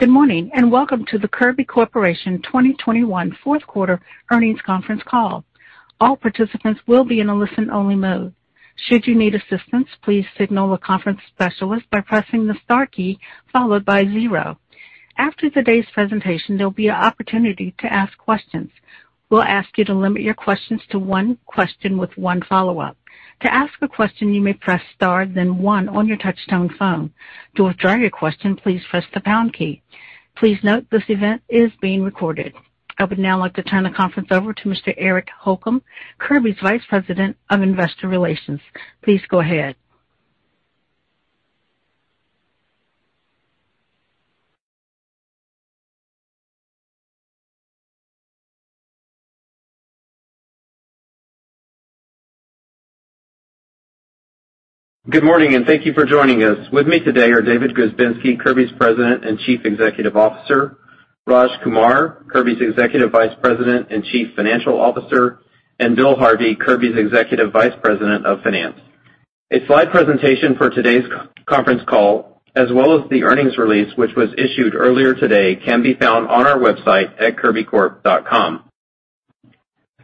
Good morning, and welcome to the Kirby Corporation 2021 Q4 Earnings Conference Call. All participants will be in a listen-only mode. Should you need assistance, please signal the conference specialist by pressing the star key followed by zero. After today's presentation, there'll be an opportunity to ask questions. We'll ask you to limit your questions to one question with one follow-up. To ask a question, you may press star then one on your touch-tone phone. To withdraw your question, please press the pound key. Please note this event is being recorded. I would now like to turn the conference over to Mr. Eric Holcomb, Kirby's Vice President of Investor Relations. Please go ahead. Good morning, and thank you for joining us. With me today are David Grzebinski, Kirby's President and Chief Executive Officer, Raj Kumar, Kirby's Executive Vice President and Chief Financial Officer, and Bill Harvey, Kirby's Executive Vice President of Finance. A slide presentation for today's conference call, as well as the earnings release, which was issued earlier today, can be found on our website at kirbycorp.com.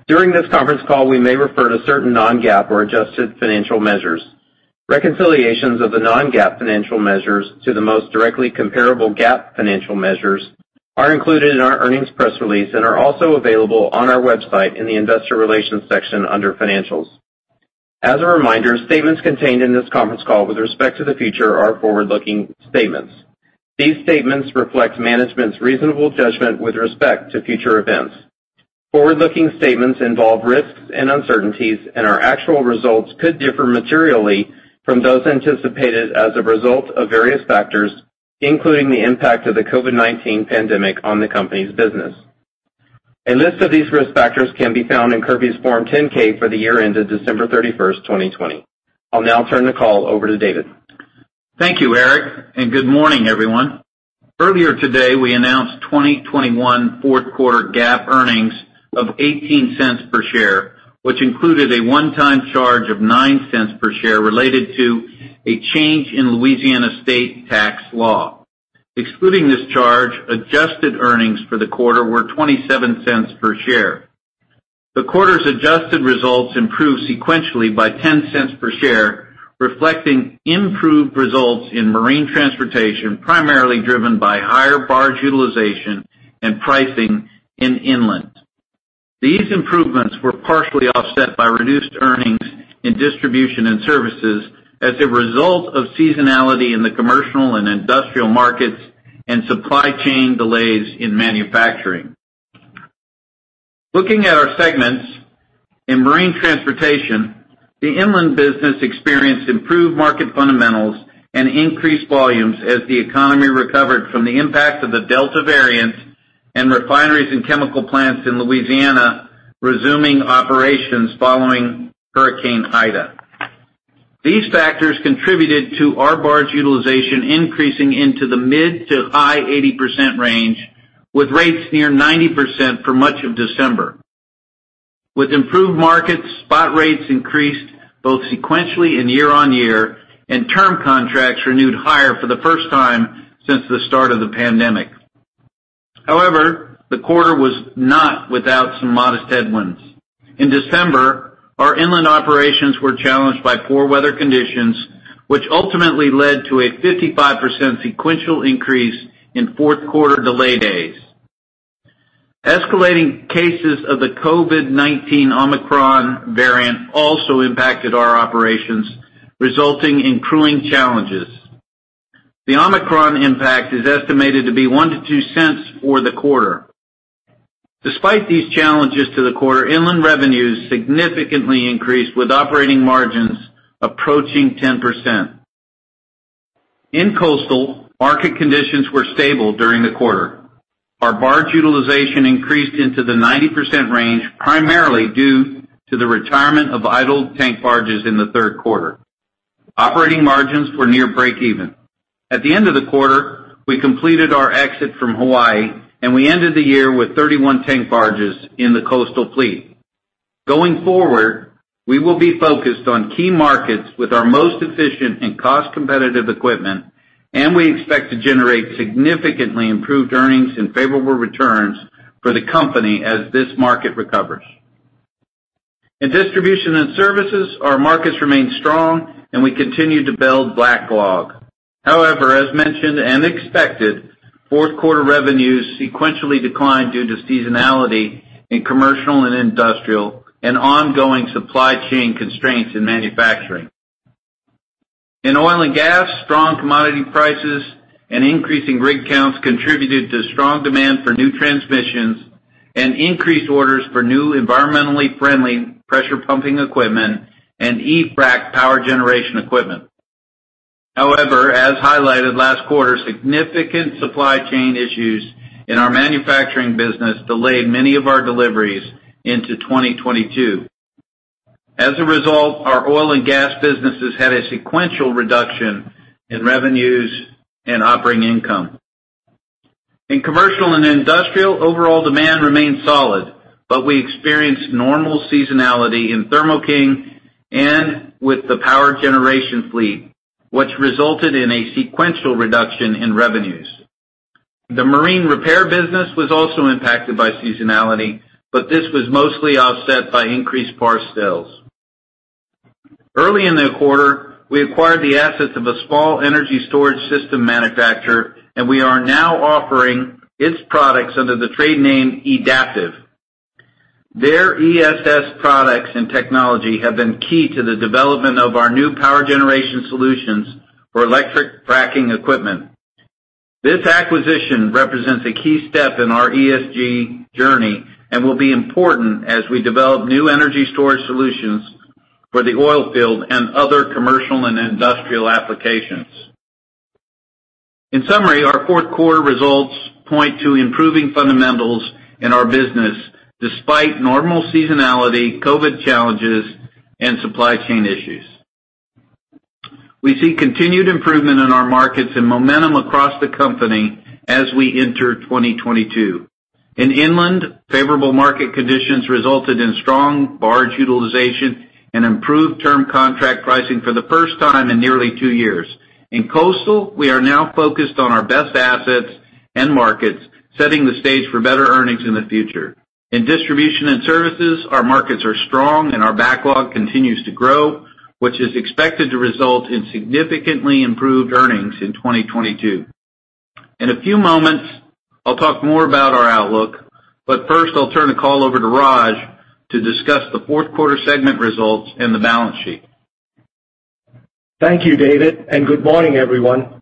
During this conference call, we may refer to certain non-GAAP or adjusted financial measures. Reconciliations of the non-GAAP financial measures to the most directly comparable GAAP financial measures are included in our earnings press release and are also available on our website in the Investor Relations section under Financials. As a reminder, statements contained in this conference call with respect to the future are forward-looking statements. These statements reflect management's reasonable judgment with respect to future events. Forward-looking statements involve risks and uncertainties, and our actual results could differ materially from those anticipated as a result of various factors, including the impact of the COVID-19 pandemic on the company's business. A list of these risk factors can be found in Kirby's Form 10-K for the year ended December 31, 2020. I'll now turn the call over to David. Thank you, Eric, and good morning, everyone. Earlier today, we announced 2021 Q4 GAAP earnings of $0.18 per share, which included a one-time charge of $0.09 per share related to a change in Louisiana state tax law. Excluding this charge, adjusted earnings for the quarter were $0.27 per share. The quarter's adjusted results improved sequentially by $0.10 per share, reflecting improved results in marine transportation, primarily driven by higher barge utilization and pricing in inland. These improvements were partially offset by reduced earnings in distribution and services as a result of seasonality in the commercial and industrial markets and supply chain delays in manufacturing. Looking at our segments, in marine transportation, the inland business experienced improved market fundamentals and increased volumes as the economy recovered from the impact of the Delta variant and refineries and chemical plants in Louisiana resuming operations following Hurricane Ida. These factors contributed to our barge utilization increasing into the mid- to high 80% range, with rates near 90% for much of December. With improved markets, spot rates increased both sequentially and year-on-year, and term contracts renewed higher for the first time since the start of the pandemic. However, the quarter was not without some modest headwinds. In December, our inland operations were challenged by poor weather conditions, which ultimately led to a 55% sequential increase in Q4 delay days. Escalating cases of the COVID-19 Omicron variant also impacted our operations, resulting in crewing challenges. The Omicron impact is estimated to be $0.01 to $0.02 for the quarter. Despite these challenges to the quarter, inland revenues significantly increased, with operating margins approaching 10%. In coastal, market conditions were stable during the quarter. Our barge utilization increased into the 90% range, primarily due to the retirement of idled tank barges in the Q3. Operating margins were near breakeven. At the end of the quarter, we completed our exit from Hawaii, and we ended the year with 31 tank barges in the coastal fleet. Going forward, we will be focused on key markets with our most efficient and cost-competitive equipment, and we expect to generate significantly improved earnings and favorable returns for the company as this market recovers. In distribution and services, our markets remain strong, and we continue to build backlog. However, as mentioned and expected, Q4 revenues sequentially declined due to seasonality in commercial and industrial and ongoing supply chain constraints in manufacturing. In oil and gas, strong commodity prices and increasing rig counts contributed to strong demand for new transmissions and increased orders for new environmentally friendly pressure pumping equipment and e-frac power generation equipment. However, as highlighted last quarter, significant supply chain issues in our manufacturing business delayed many of our deliveries into 2022. As a result, our oil and gas businesses had a sequential reduction in revenues and operating income. In commercial and industrial, overall demand remained solid, but we experienced normal seasonality in Thermo King and with the power generation fleet, which resulted in a sequential reduction in revenues. The marine repair business was also impacted by seasonality, but this was mostly offset by increased parts sales. Early in the quarter, we acquired the assets of a small energy storage system manufacturer, and we are now offering its products under the trade name E-Daptive. Their ESS products and technology have been key to the development of our new power generation solutions for electric fracking equipment. This acquisition represents a key step in our ESG journey and will be important as we develop new energy storage solutions for the oil field and other commercial and industrial applications. In summary, our Q4 results point to improving fundamentals in our business despite normal seasonality, COVID challenges, and supply chain issues. We see continued improvement in our markets and momentum across the company as we enter 2022. In inland, favorable market conditions resulted in strong barge utilization and improved term contract pricing for the first time in nearly two years. In coastal, we are now focused on our best assets and markets, setting the stage for better earnings in the future. In Distribution and Services, our markets are strong and our backlog continues to grow, which is expected to result in significantly improved earnings in 2022. In a few moments, I'll talk more about our outlook, but first I'll turn the call over to Raj to discuss the Q4 segment results and the balance sheet. Thank you, David, and good morning, everyone.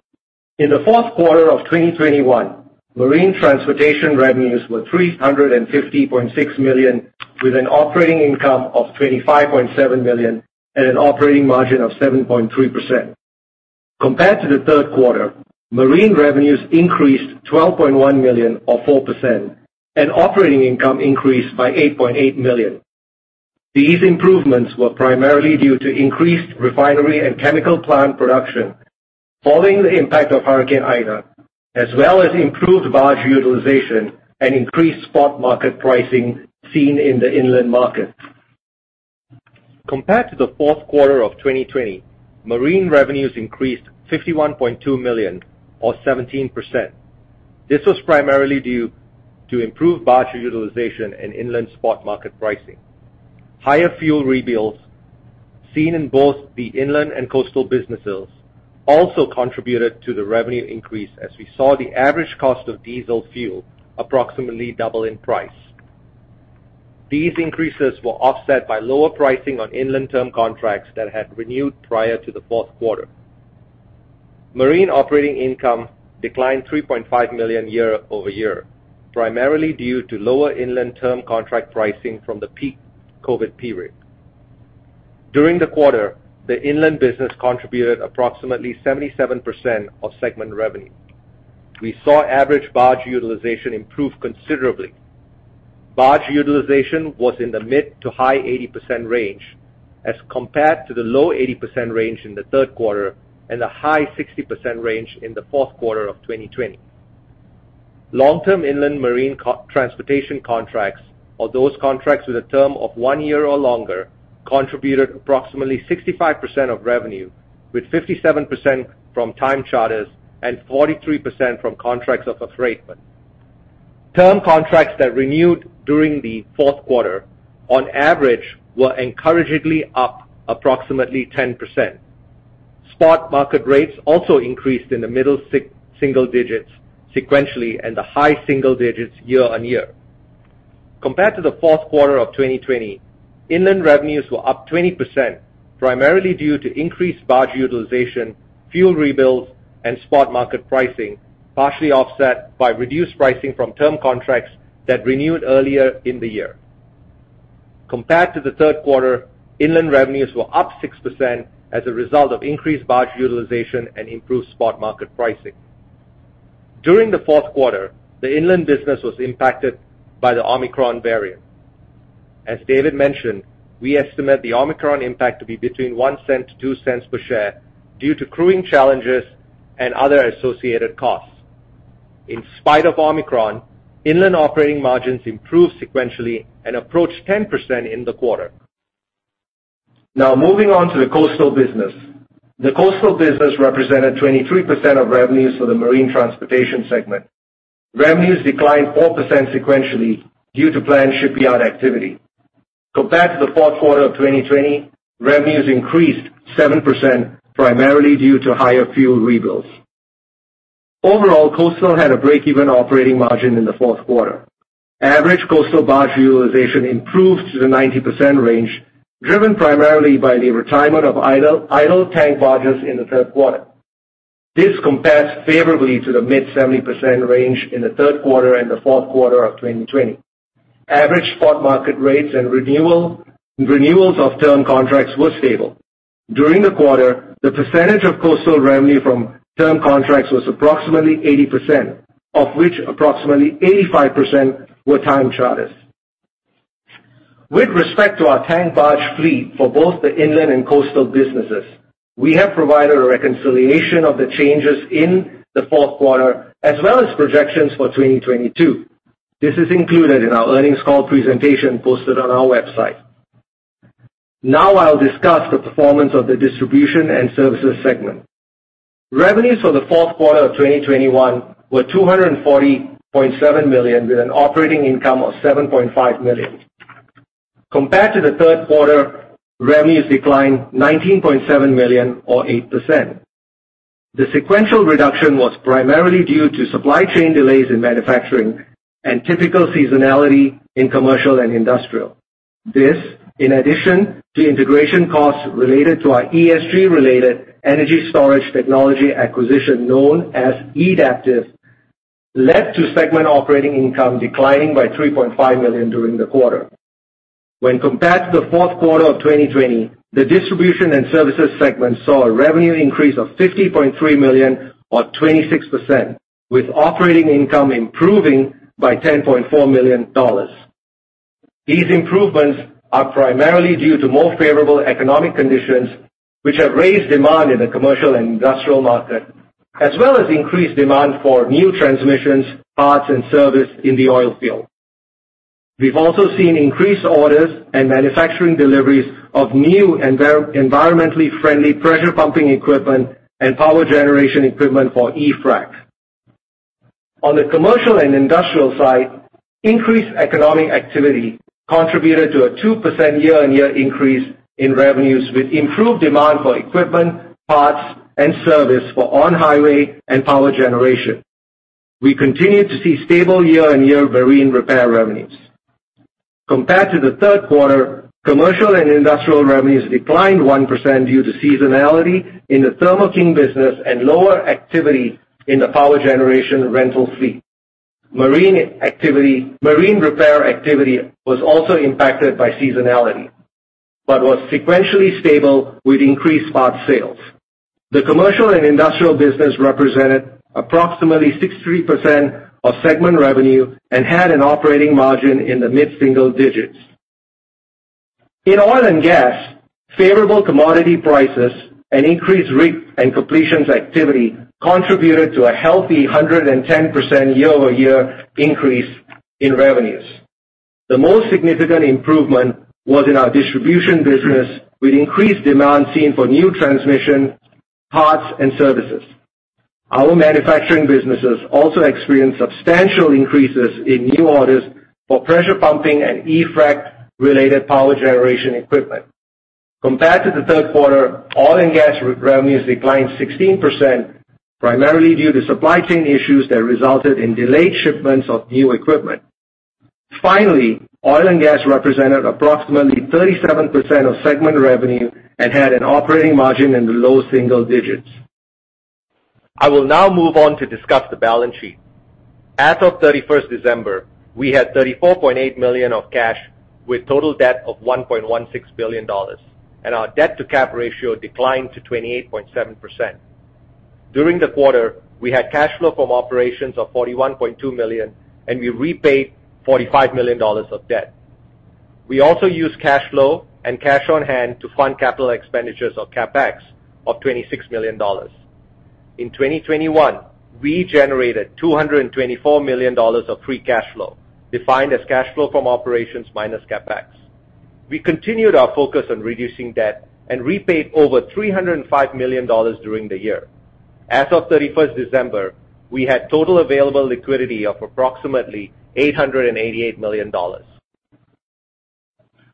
In the Q4 of 2021, marine transportation revenues were $350.6 million, with an operating income of $25.7 million and an operating margin of 7.3%. Compared to the Q3, marine revenues increased $12.1 million or 4%, and operating income increased by $8.8 million. These improvements were primarily due to increased refinery and chemical plant production following the impact of Hurricane Ida, as well as improved barge utilization and increased spot market pricing seen in the inland market. Compared to the Q4 of 2020, marine revenues increased $51.2 million or 17%. This was primarily due to improved barge utilization and inland spot market pricing. Higher fuel rebills, seen in both the inland and coastal businesses, also contributed to the revenue increase as we saw the average cost of diesel fuel approximately double in price. These increases were offset by lower pricing on inland term contracts that had renewed prior to the Q4. Marine operating income declined $3.5 million year over year, primarily due to lower inland term contract pricing from the peak COVID period. During the quarter, the inland business contributed approximately 77% of segment revenue. We saw average barge utilization improve considerably. Barge utilization was in the mid- to high 80% range as compared to the low 80% range in the Q3 and the high 60% range in the Q4 of 2020. Long-term inland marine co-transportation contracts, or those contracts with a term of one year or longer, contributed approximately 65% of revenue, with 57% from time charters and 43% from contracts of affreightment. Term contracts that renewed during the Q4 on average were encouragingly up approximately 10%. Spot market rates also increased in the middle single digits sequentially and the high single digits year-over-year. Compared to the Q4 of 2020, inland revenues were up 20%, primarily due to increased barge utilization, fuel rebills, and spot market pricing, partially offset by reduced pricing from term contracts that renewed earlier in the year. Compared to the Q3, inland revenues were up 6% as a result of increased barge utilization and improved spot market pricing. During the Q4, the inland business was impacted by the Omicron variant. As David mentioned, we estimate the Omicron impact to be between $0.01 to $0.02 per share due to crewing challenges and other associated costs. In spite of Omicron, inland operating margins improved sequentially and approached 10% in the quarter. Now moving on to the coastal business. The coastal business represented 23% of revenues for the marine transportation segment. Revenues declined 4% sequentially due to planned shipyard activity. Compared to the Q4 of 2020, revenues increased 7% primarily due to higher fuel rebills. Overall, coastal had a break-even operating margin in the Q4. Average coastal barge utilization improved to the 90% range, driven primarily by the retirement of idle tank barges in the Q3. This compares favorably to the mid-70% range in the Q3 and the Q4 of 2020. Average spot market rates and renewals of term contracts were stable. During the quarter, the percentage of coastal revenue from term contracts was approximately 80%, of which approximately 85% were time charters. With respect to our tank barge fleet for both the inland and coastal businesses, we have provided a reconciliation of the changes in the Q4, as well as projections for 2022. This is included in our earnings call presentation posted on our website. Now I'll discuss the performance of the distribution and services segment. Revenues for the Q4 of 2021 were $240.7 million, with an operating income of $7.5 million. Compared to the Q3, revenues declined $19.7 million, or 8%. The sequential reduction was primarily due to supply chain delays in manufacturing and typical seasonality in commercial and industrial. This, in addition to integration costs related to our ESG-related energy storage technology acquisition, known as E-Daptive, led to segment operating income declining by $3.5 million during the quarter. When compared to the Q4 of 2020, the distribution and services segment saw a revenue increase of $50.3 million, or 26%, with operating income improving by $10.4 million. These improvements are primarily due to more favorable economic conditions, which have raised demand in the commercial and industrial market, as well as increased demand for new transmissions, parts, and service in the oil field. We've also seen increased orders and manufacturing deliveries of new environmentally friendly pressure pumping equipment and power generation equipment for e-frac. On the commercial and industrial side, increased economic activity contributed to a 2% year-over-year increase in revenues with improved demand for equipment, parts, and service for on-highway and power generation. We continue to see stable year-over-year marine repair revenues. Compared to the Q3, commercial and industrial revenues declined 1% due to seasonality in the Thermo King business and lower activity in the power generation rental fleet. Marine activity, marine repair activity was also impacted by seasonality, but was sequentially stable with increased parts sales. The commercial and industrial business represented approximately 63% of segment revenue and had an operating margin in the mid-single digits. In oil and gas, favorable commodity prices and increased rig and completions activity contributed to a healthy 110% year-over-year increase in revenues. The most significant improvement was in our distribution business, with increased demand seen for new transmission, parts, and services. Our manufacturing businesses also experienced substantial increases in new orders for pressure pumping and e-frac-related power generation equipment. Compared to the Q3, oil and gas revenues declined 16%, primarily due to supply chain issues that resulted in delayed shipments of new equipment. Finally, oil and gas represented approximately 37% of segment revenue and had an operating margin in the low single digits. I will now move on to discuss the balance sheet. As of December 31, we had $34.8 million of cash, with total debt of $1.16 billion, and our debt-to-cap ratio declined to 28.7%. During the quarter, we had cash flow from operations of $41.2 million, and we repaid $45 million of debt. We also used cash flow and cash on hand to fund capital expenditures or CapEx of $26 million. In 2021, we generated $224 million of free cash flow, defined as cash flow from operations minus CapEx. We continued our focus on reducing debt and repaid over $305 million during the year. As of December 31, we had total available liquidity of approximately $888 million.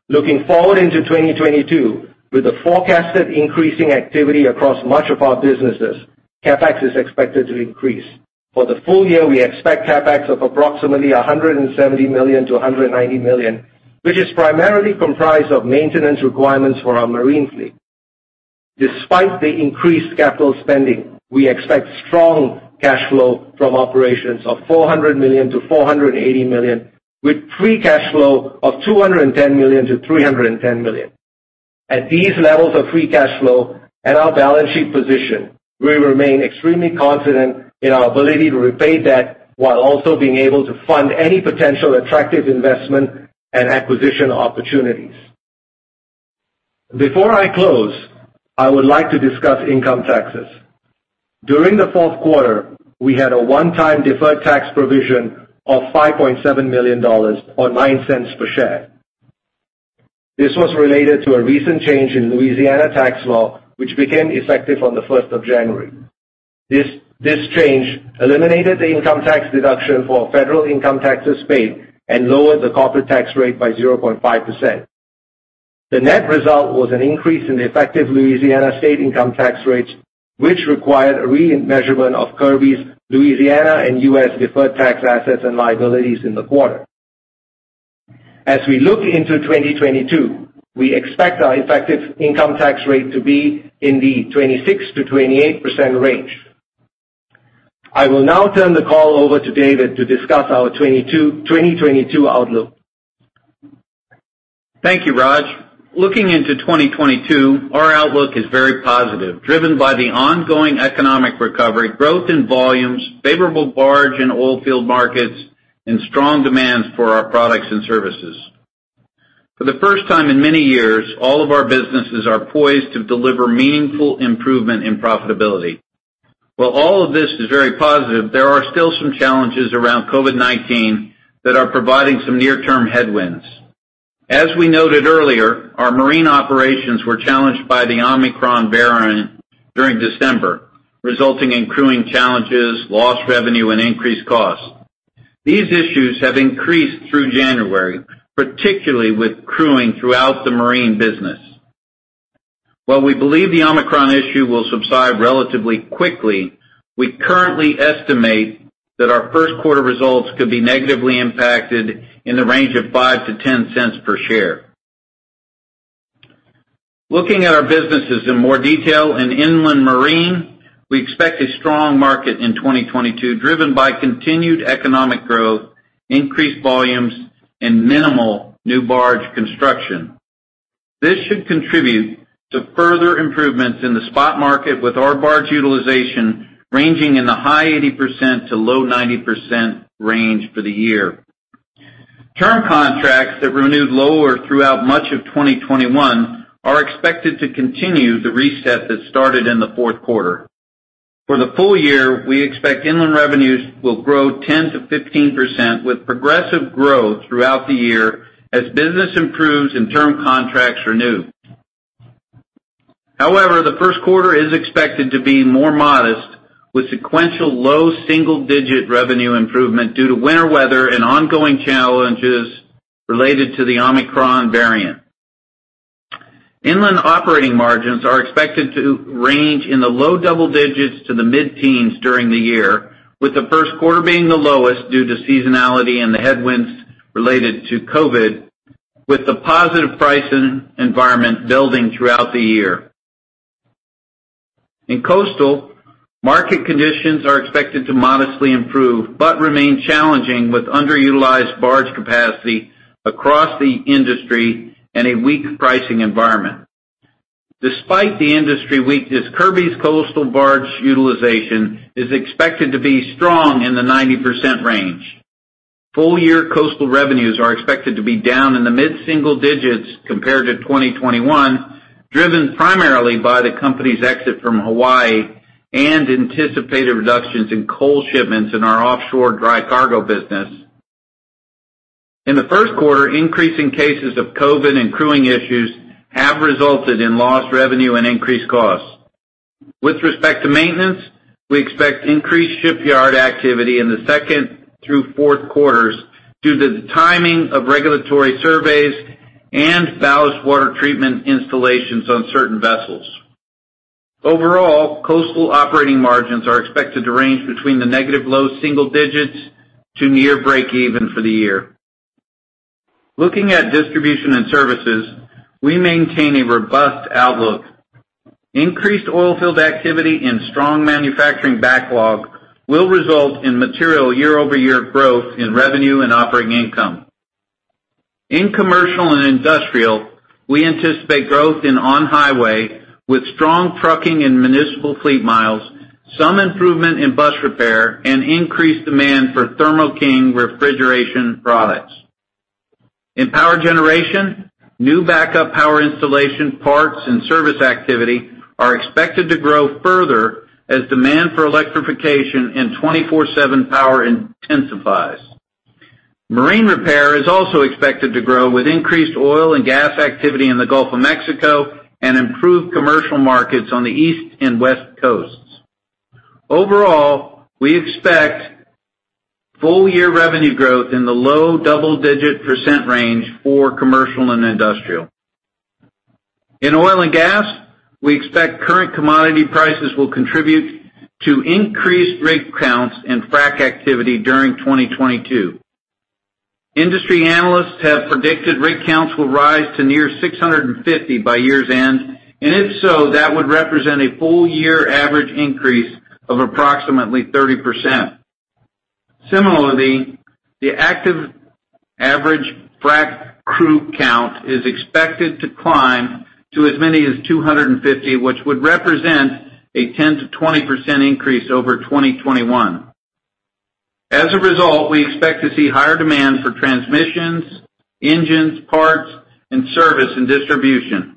Looking forward into 2022, with the forecasted increasing activity across much of our businesses, CapEx is expected to increase. For the full year, we expect CapEx of approximately $170 million to $190 million, which is primarily comprised of maintenance requirements for our marine fleet. Despite the increased capital spending, we expect strong cash flow from operations of $400 million to $480 million, with free cash flow of $210 million to $310 million. At these levels of free cash flow and our balance sheet position, we remain extremely confident in our ability to repay debt while also being able to fund any potential attractive investment and acquisition opportunities. Before I close, I would like to discuss income taxes. During the Q4, we had a one-time deferred tax provision of $5.7 million, or $0.09 per share. This was related to a recent change in Louisiana tax law, which became effective on the first of January. This change eliminated the income tax deduction for federal income taxes paid and lowered the corporate tax rate by 0.5%. The net result was an increase in the effective Louisiana state income tax rates, which required a remeasurement of Kirby's Louisiana and U.S. deferred tax assets and liabilities in the quarter. As we look into 2022, we expect our effective income tax rate to be in the 26% to 28% range. I will now turn the call over to David to discuss our 2022 outlook. Thank you, Raj. Looking into 2022, our outlook is very positive, driven by the ongoing economic recovery, growth in volumes, favorable barge and oilfield markets, and strong demand for our products and services. For the first time in many years, all of our businesses are poised to deliver meaningful improvement in profitability. While all of this is very positive, there are still some challenges around COVID-19 that are providing some near-term headwinds. As we noted earlier, our marine operations were challenged by the Omicron variant during December, resulting in crewing challenges, lost revenue, and increased costs. These issues have increased through January, particularly with crewing throughout the marine business. While we believe the Omicron issue will subside relatively quickly, we currently estimate that our Q1 results could be negatively impacted in the range of $0.05 to $0.10 per share. Looking at our businesses in more detail, in inland marine, we expect a strong market in 2022, driven by continued economic growth, increased volumes, and minimal new barge construction. This should contribute to further improvements in the spot market with our barge utilization ranging in the high 80% to low 90% range for the year. Term contracts that renewed lower throughout much of 2021 are expected to continue the reset that started in the Q4. For the full year, we expect inland revenues will grow 10% to 15%, with progressive growth throughout the year as business improves and term contracts renew. However, the Q1 is expected to be more modest, with sequential low single-digit revenue improvement due to winter weather and ongoing challenges related to the Omicron variant. Inland operating margins are expected to range in the low double digits to the mid-teens during the year, with the Q1 being the lowest due to seasonality and the headwinds related to COVID, with the positive pricing environment building throughout the year. In coastal, market conditions are expected to modestly improve, but remain challenging with underutilized barge capacity across the industry and a weak pricing environment. Despite the industry weakness, Kirby's coastal barge utilization is expected to be strong in the 90% range. Full-year coastal revenues are expected to be down in the mid-single digits compared to 2021, driven primarily by the company's exit from Hawaii and anticipated reductions in coal shipments in our offshore dry cargo business. In the Q1, increasing cases of COVID and crewing issues have resulted in lost revenue and increased costs. With respect to maintenance, we expect increased shipyard activity in the Q2 through Q4 due to the timing of regulatory surveys and ballast water treatment installations on certain vessels. Overall, coastal operating margins are expected to range between the negative low single digits to near breakeven for the year. Looking at distribution and services, we maintain a robust outlook. Increased oilfield activity and strong manufacturing backlog will result in material year-over-year growth in revenue and operating income. In commercial and industrial, we anticipate growth in on-highway with strong trucking and municipal fleet miles, some improvement in bus repair, and increased demand for Thermo King refrigeration products. In power generation, new backup power installation parts and service activity are expected to grow further as demand for electrification and 24/7 power intensifies. Marine repair is also expected to grow with increased oil and gas activity in the Gulf of Mexico and improved commercial markets on the East and West Coasts. Overall, we expect full-year revenue growth in the low double-digit percent range for commercial and industrial. In oil and gas, we expect current commodity prices will contribute to increased rig counts and frack activity during 2022. Industry analysts have predicted rig counts will rise to near 650 by year's end, and if so, that would represent a full-year average increase of approximately 30%. Similarly, the active average frack crew count is expected to climb to as many as 250, which would represent a 10% to 20% increase over 2021. As a result, we expect to see higher demand for transmissions, engines, parts, and service and distribution.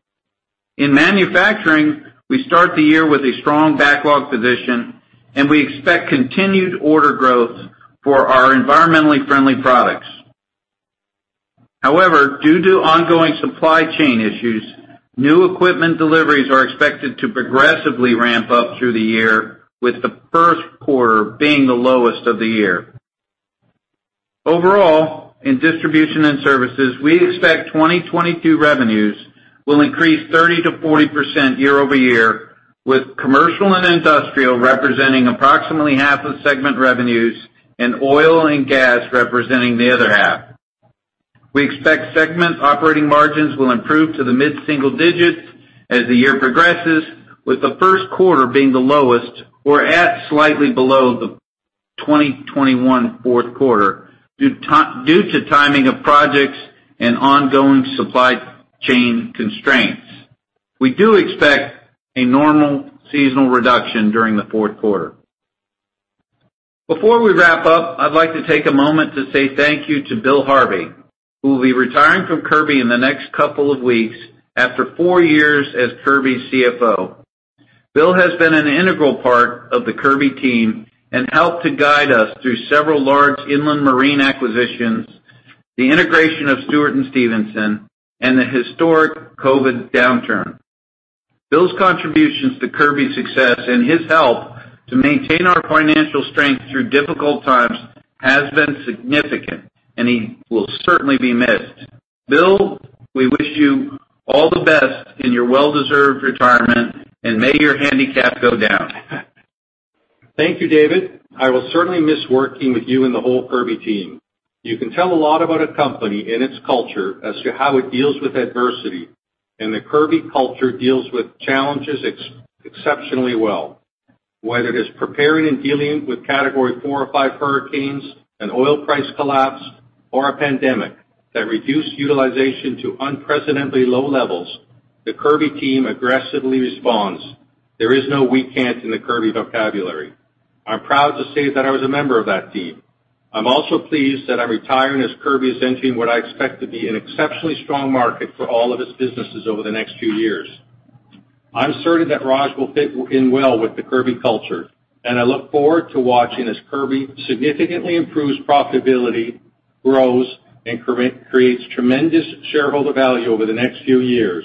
In manufacturing, we start the year with a strong backlog position, and we expect continued order growth for our environmentally friendly products. However, due to ongoing supply chain issues, new equipment deliveries are expected to progressively ramp up through the year, with the Q1 being the lowest of the year. Overall, in Distribution and Services, we expect 2022 revenues will increase 30% to 40% year-over-year, with commercial and industrial representing approximately half of segment revenues and oil and gas representing the other half. We expect segment operating margins will improve to the mid-single digits as the year progresses, with the Q1 being the lowest or at slightly below the 2021 Q4 due to timing of projects and ongoing supply chain constraints. We do expect a normal seasonal reduction during the Q4. Before we wrap up, I'd like to take a moment to say thank you to Bill Harvey, who will be retiring from Kirby in the next couple of weeks after four years as Kirby's CFO. Bill has been an integral part of the Kirby team and helped to guide us through several large inland marine acquisitions, the integration of Stewart & Stevenson, and the historic COVID downturn. Bill's contributions to Kirby's success and his help to maintain our financial strength through difficult times has been significant, and he will certainly be missed. Bill, we wish you all the best in your well-deserved retirement, and may your handicap go down. Thank you, David. I will certainly miss working with you and the whole Kirby team. You can tell a lot about a company and its culture as to how it deals with adversity, and the Kirby culture deals with challenges exceptionally well. Whether it is preparing and dealing with Category 4 or 5 hurricanes, an oil price collapse or a pandemic that reduced utilization to unprecedentedly low levels, the Kirby team aggressively responds. There is no "we can't" in the Kirby vocabulary. I'm proud to say that I was a member of that team. I'm also pleased that I'm retiring as Kirby is entering what I expect to be an exceptionally strong market for all of its businesses over the next few years. I'm certain that Raj will fit in well with the Kirby culture, and I look forward to watching as Kirby significantly improves profitability, grows, and creates tremendous shareholder value over the next few years.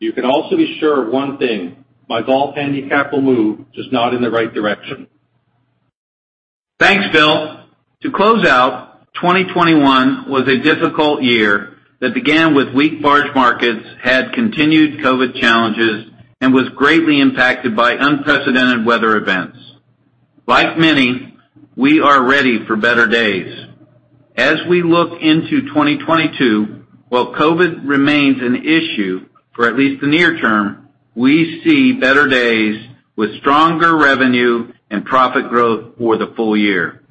You can also be sure of one thing, my golf handicap will move, just not in the right direction. Thanks, Bill. To close out, 2021 was a difficult year that began with weak barge markets, had continued COVID challenges, and was greatly impacted by unprecedented weather events. Like many, we are ready for better days. As we look into 2022, while COVID remains an issue for at least the near term, we see better days with stronger revenue and profit growth for the full year.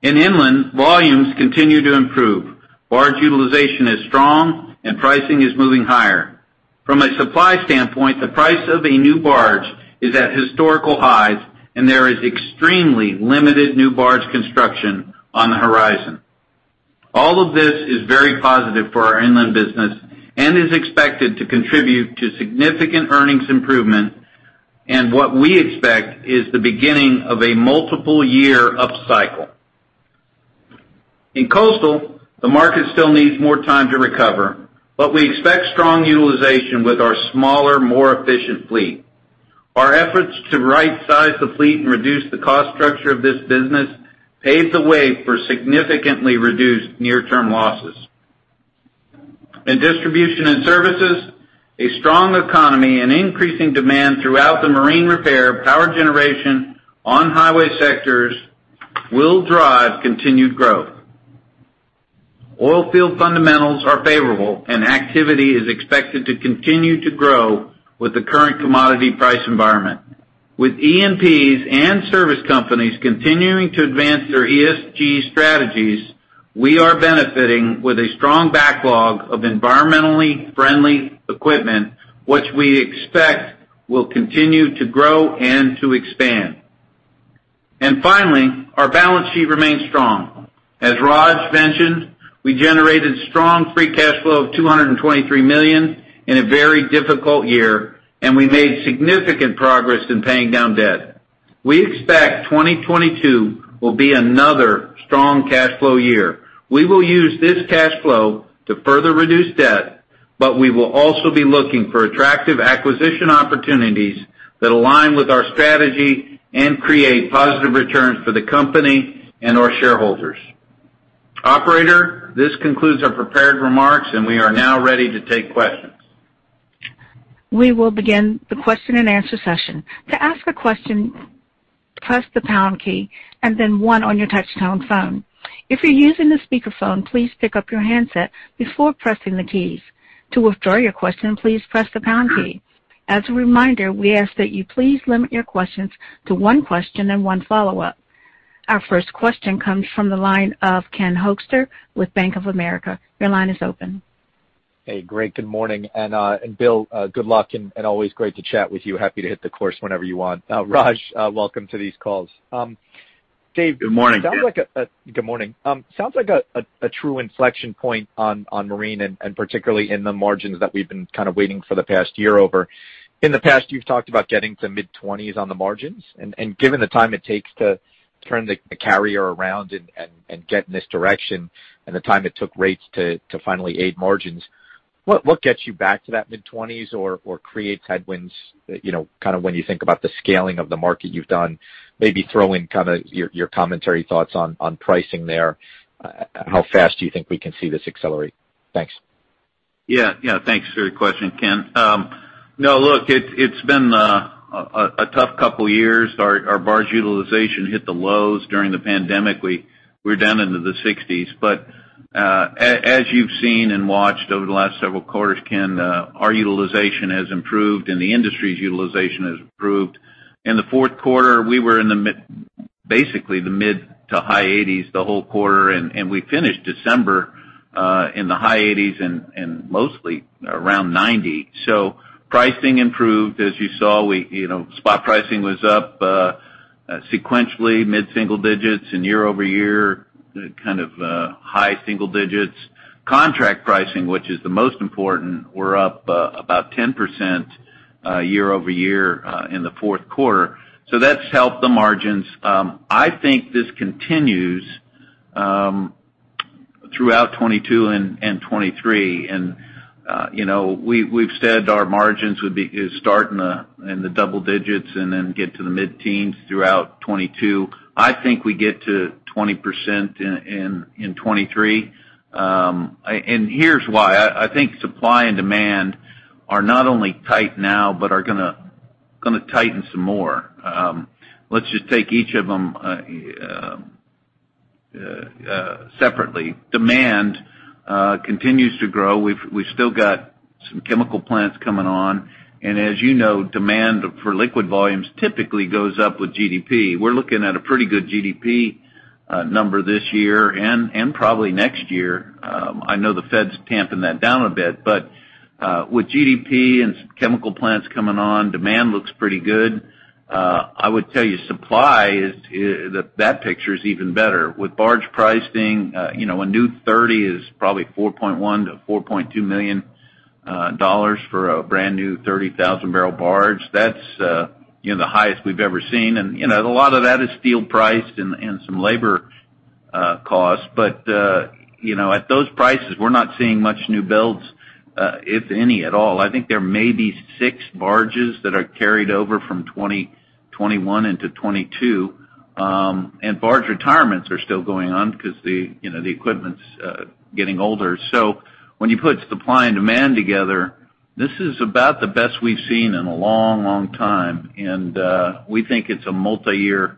In inland, volumes continue to improve. Barge utilization is strong and pricing is moving higher. From a supply standpoint, the price of a new barge is at historical highs, and there is extremely limited new barge construction on the horizon. All of this is very positive for our inland business and is expected to contribute to significant earnings improvement and what we expect is the beginning of a multiple year upcycle. In Coastal, the market still needs more time to recover, but we expect strong utilization with our smaller, more efficient fleet. Our efforts to rightsized the fleet and reduce the cost structure of this business paves the way for significantly reduced near-term losses. In Distribution and Services, a strong economy and increasing demand throughout the marine repair, power generation, on-highway sectors will drive continued growth. Oil field fundamentals are favorable and activity is expected to continue to grow with the current commodity price environment. With E&Ps and service companies continuing to advance their ESG strategies, we are benefiting with a strong backlog of environmentally friendly equipment, which we expect will continue to grow and to expand. Finally, our balance sheet remains strong. As Raj mentioned, we generated strong free cash flow of $223 million in a very difficult year, and we made significant progress in paying down debt. We expect 2022 will be another strong cash flow year. We will use this cash flow to further reduce debt, but we will also be looking for attractive acquisition opportunities that align with our strategy and create positive returns for the company and our shareholders. Operator, this concludes our prepared remarks, and we are now ready to take questions. We will begin the question and answer session. To ask a question, press the pound key and then one on your touch-tone phone. If you're using a speakerphone, please pick up your handset before pressing the keys. To withdraw your question, please press the pound key. As a reminder, we ask that you please limit your questions to one question and one follow-up. Our first question comes from the line of Ken Hoexter with Bank of America. Your line is open. Hey, great. Good morning. Bill, good luck and always great to chat with you. Happy to hit the course whenever you want. Raj, welcome to these calls. David- Good morning, Ken. Sounds like a good morning. Sounds like a true inflection point on marine and particularly in the margins that we've been kind of waiting for the past year over. In the past, you've talked about getting to mid-20s on the margins, and given the time it takes to turn the carrier around and get in this direction and the time it took rates to finally aid margins, what gets you back to that mid-20s or creates headwinds, you know, kind of when you think about the scaling of the market you've done? Maybe throw in kinda your commentary thoughts on pricing there. How fast do you think we can see this accelerate? Thanks. Yeah. Yeah. Thanks for your question, Ken. No, look, it's been a tough couple years. Our barge utilization hit the lows during the pandemic. We were down into the 60s. As you've seen and watched over the last several quarters, Ken, our utilization has improved and the industry's utilization has improved. In the Q4, we were in the basically the mid to high 80s the whole quarter, and we finished December in the high 80s and mostly around 90. Pricing improved. As you saw, you know, spot pricing was up sequentially mid-single digits and year-over-year, kind of high single digits. Contract pricing, which is the most important, we're up about 10% year-over-year in the Q4. That's helped the margins. I think this continues throughout 2022 and 2023. You know, we've said our margins would start in the double digits and then get to the mid-teens throughout 2022. I think we get to 20% in 2023. Here's why. I think supply and demand are not only tight now, but are gonna tighten some more. Let's just take each of them separately. Demand continues to grow. We've still got some chemical plants coming on. As you know, demand for liquid volumes typically goes up with GDP. We're looking at a pretty good GDP number this year and probably next year. I know the Fed's tamping that down a bit, but with GDP and some chemical plants coming on, demand looks pretty good. That picture is even better. With barge pricing, you know, a new 30 is probably $4.1 million to $4.2 million for a brand new 30,000 bbl barge. That's, you know, the highest we've ever seen. You know, a lot of that is steel prices and some labor costs. You know, at those prices, we're not seeing much new builds, if any, at all. I think there may be six barges that are carried over from 2021 into 2022. Barge retirements are still going on because, you know, the equipment's getting older. When you put supply and demand together, this is about the best we've seen in a long, long time. We think it's a multiyear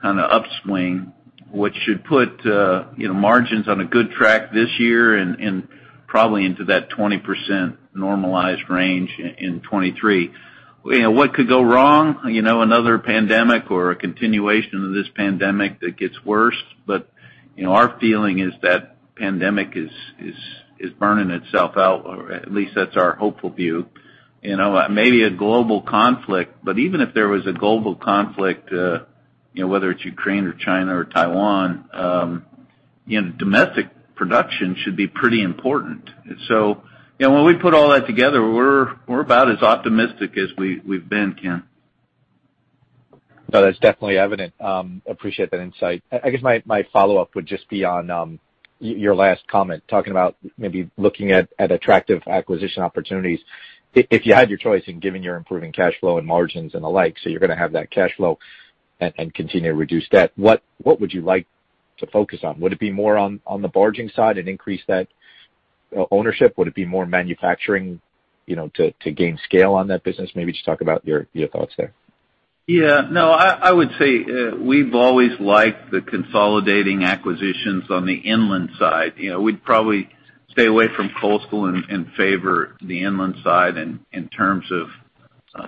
kind of upswing, which should put you know, margins on a good track this year and probably into that 20% normalized range in 2023. You know, what could go wrong? You know, another pandemic or a continuation of this pandemic that gets worse. Our feeling is that pandemic is burning itself out, or at least that's our hopeful view. You know, maybe a global conflict, but even if there was a global conflict, you know, whether it's Ukraine or China or Taiwan, you know, domestic production should be pretty important. You know, when we put all that together, we're about as optimistic as we've been, Ken. No, that's definitely evident. Appreciate that insight. I guess my follow-up would just be on your last comment, talking about maybe looking at attractive acquisition opportunities. If you had your choice in giving your improving cash flow and margins and the like, so you're gonna have that cash flow and continue to reduce debt, what would you like to focus on? Would it be more on the barging side and increase that ownership? Would it be more manufacturing, you know, to gain scale on that business? Maybe just talk about your thoughts there. Yeah. No, I would say we've always liked the consolidating acquisitions on the inland side. You know, we'd probably stay away from coastal and favor the inland side in terms of,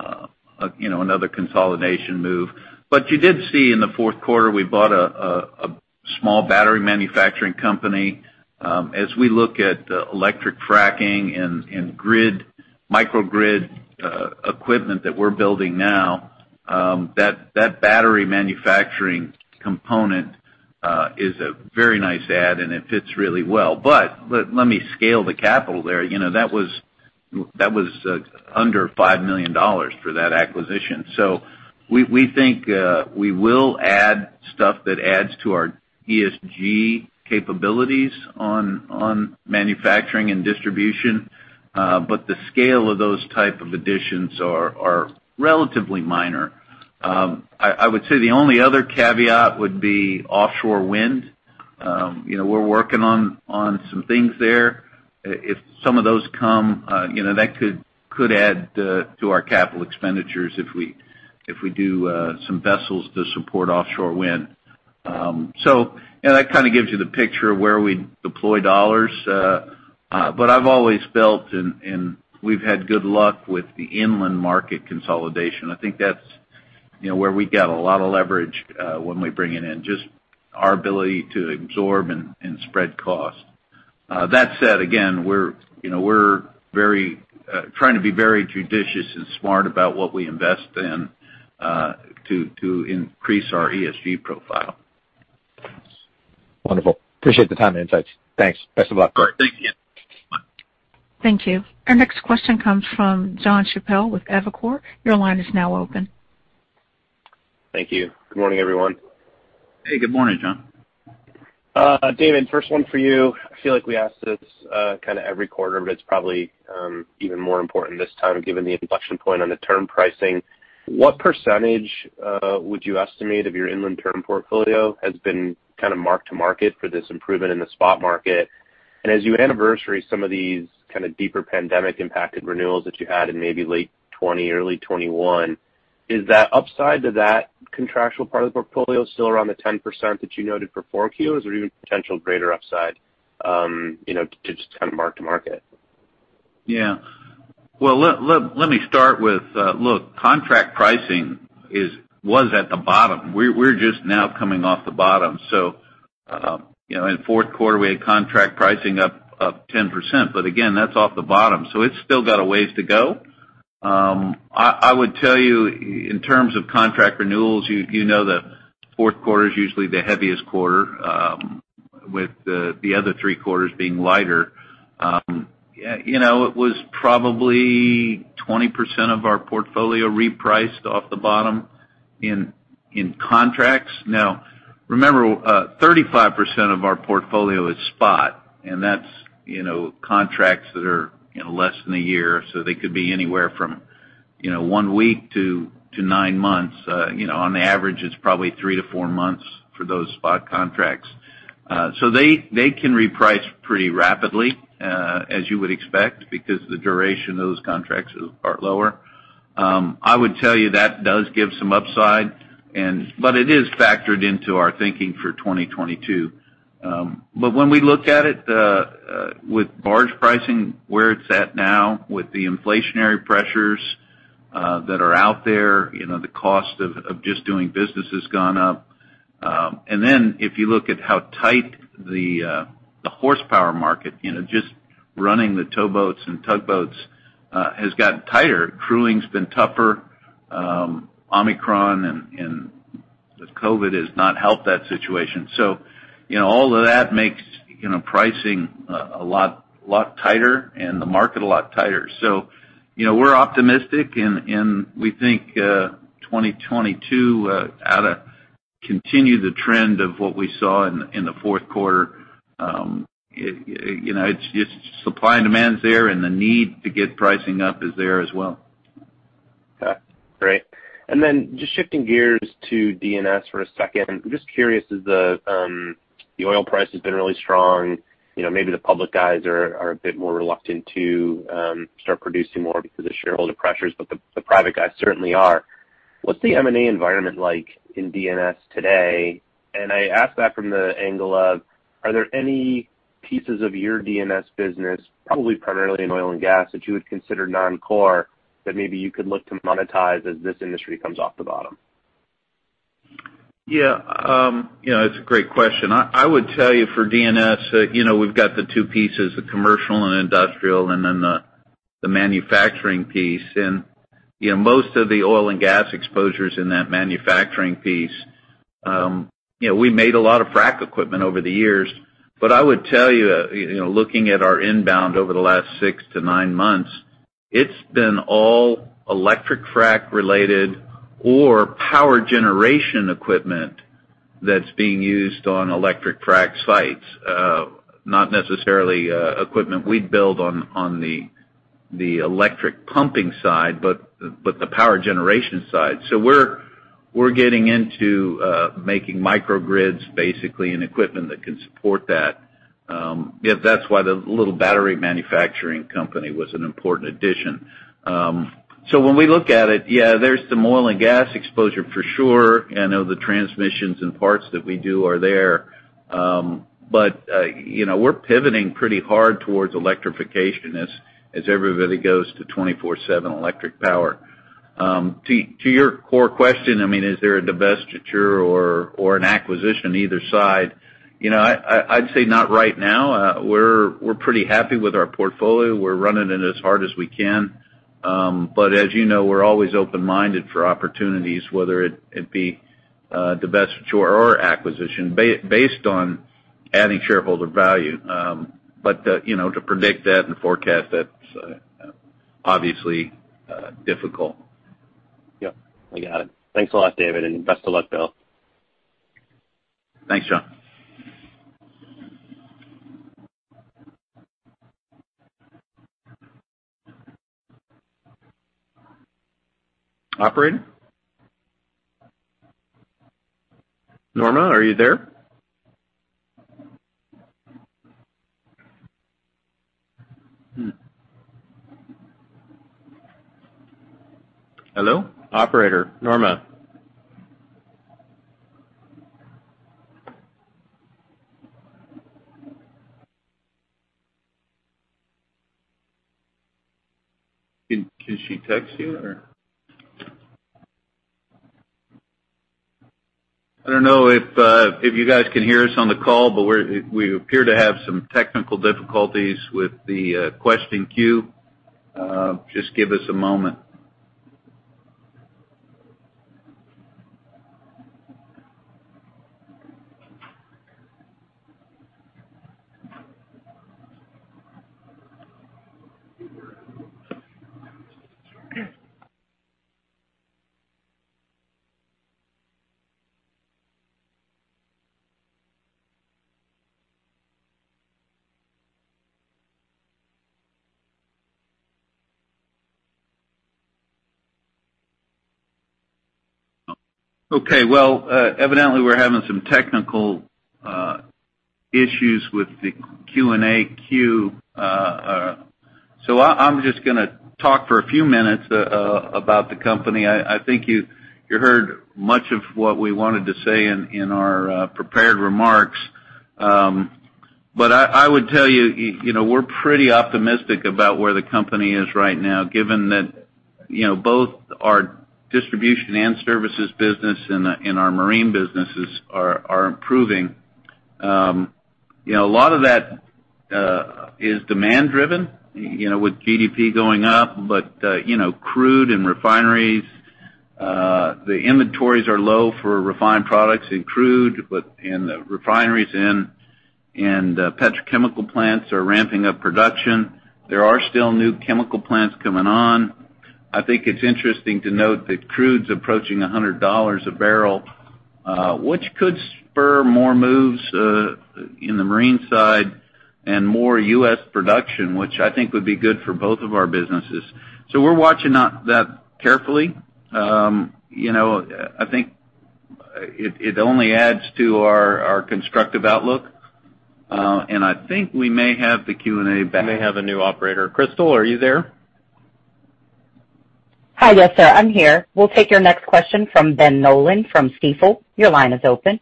you know, another consolidation move. You did see in the Q4, we bought a small battery manufacturing company. As we look at electric fracking and microgrid equipment that we're building now, that battery manufacturing component is a very nice add, and it fits really well. Let me scale the capital there. You know, that was under $5 million for that acquisition. We think we will add stuff that adds to our ESG capabilities on manufacturing and distribution. The scale of those type of additions are relatively minor. I would say the only other caveat would be offshore wind. You know, we're working on some things there. If some of those come, you know, that could add to our capital expenditures if we do some vessels to support offshore wind. Yeah, that kind of gives you the picture of where we deploy dollars. I've always felt, and we've had good luck with the inland market consolidation. I think that's, you know, where we get a lot of leverage when we bring it in, just our ability to absorb and spread costs. That said, again, we're, you know, very trying to be very judicious and smart about what we invest in, to increase our ESG profile. Wonderful. Appreciate the time and insights. Thanks. Best of luck. All right. Thank you. Thank you. Our next question comes from Jonathan Chappell with Evercore. Your line is now open. Thank you. Good morning, everyone. Hey, good morning, Jon. David Grzebinski, first one for you. I feel like we ask this kind of every quarter, but it's probably even more important this time given the inflection point on the term pricing. What percentage would you estimate of your inland term portfolio has been kind of mark to market for this improvement in the spot market? And as you anniversary some of these kind of deeper pandemic impacted renewals that you had in maybe late 2020, early 2021? Is that upside to that contractual part of the portfolio still around the 10% that you noted for 4Q? Is there even potential greater upside, you know, to just kind of mark to market? Yeah. Well, let me start with, look, contract pricing was at the bottom. We're just now coming off the bottom. You know, in Q4, we had contract pricing up 10%. But again, that's off the bottom, so it's still got a ways to go. I would tell you in terms of contract renewals, you know the Q4 is usually the heaviest quarter, with the other three quarters being lighter. You know, it was probably 20% of our portfolio repriced off the bottom in contracts. Now, remember, 35% of our portfolio is spot, and that's, you know, contracts that are, you know, less than a year. So they could be anywhere from, you know, one week to nine months. You know, on the average, it's probably three to four months for those spot contracts. So they can reprice pretty rapidly, as you would expect, because the duration of those contracts are lower. I would tell you that does give some upside, but it is factored into our thinking for 2022. But when we look at it with barge pricing, where it's at now, with the inflationary pressures that are out there, you know, the cost of just doing business has gone up. Then if you look at how tight the horsepower market, you know, just running the towboats and tugboats, has gotten tighter. Crewing's been tougher. Omicron and the COVID has not helped that situation. You know, all of that makes, you know, pricing a lot tighter and the market a lot tighter. You know, we're optimistic and we think 2022 ought to continue the trend of what we saw in the Q4. You know, it's just supply and demand's there, and the need to get pricing up is there as well. Okay. Great. Just shifting gears to DNS for a second. I'm just curious as the oil price has been really strong. You know, maybe the public guys are a bit more reluctant to start producing more because of shareholder pressures, but the private guys certainly are. What's the M&A environment like in DNS today? I ask that from the angle of, are there any pieces of your DNS business, probably primarily in oil and gas, that you would consider non-core, that maybe you could look to monetize as this industry comes off the bottom? Yeah. You know, it's a great question. I would tell you for DNS, you know, we've got the two pieces, the commercial and industrial and then the manufacturing piece. You know, most of the oil and gas exposure's in that manufacturing piece. You know, we made a lot of frac equipment over the years. I would tell you know, looking at our inbound over the last six to nine months, it's been all electric frac related or power generation equipment that's being used on electric frac sites. Not necessarily, equipment we'd build on the electric pumping side, but the power generation side. We're getting into making microgrids, basically, and equipment that can support that. That's why the little battery manufacturing company was an important addition. When we look at it, yeah, there's some oil and gas exposure for sure. I know the transmissions and parts that we do are there. You know, we're pivoting pretty hard towards electrification as everybody goes to 24/7 electric power. To your core question, I mean, is there a divestiture or an acquisition either side? You know, I'd say not right now. We're pretty happy with our portfolio. We're running it as hard as we can. As you know, we're always open-minded for opportunities, whether it'd be a divestiture or acquisition, based on adding shareholder value. You know, to predict that and forecast that's obviously difficult. Yep. I got it. Thanks a lot, David, and best of luck, Bill. Thanks, Jon. Operator? Norma, are you there? Hello? Operator. Norma. Can she text you or? I don't know if you guys can hear us on the call, but we appear to have some technical difficulties with the question queue. Just give us a moment. Okay. Well, evidently we're having some technical issues with the Q&A queue. I'm just gonna talk for a few minutes about the company. I think you heard much of what we wanted to say in our prepared remarks. I would tell you know, we're pretty optimistic about where the company is right now, given that, you know, both our distribution and services business and our marine businesses are improving. You know, a lot of that is demand driven, you know, with GDP going up, but you know, crude and refineries the inventories are low for refined products and crude, but and the refineries and petrochemical plants are ramping up production. There are still new chemical plants coming on. I think it's interesting to note that crude's approaching $100 a barrel, which could spur more moves in the marine side and more US production, which I think would be good for both of our businesses. We're watching on that carefully. You know, I think it only adds to our constructive outlook. I think we may have the Q&A back. We may have a new operator. Crystal, are you there? Hi. Yes, sir. I'm here. We'll take your next question from Ben Nolan from Stifel. Your line is open.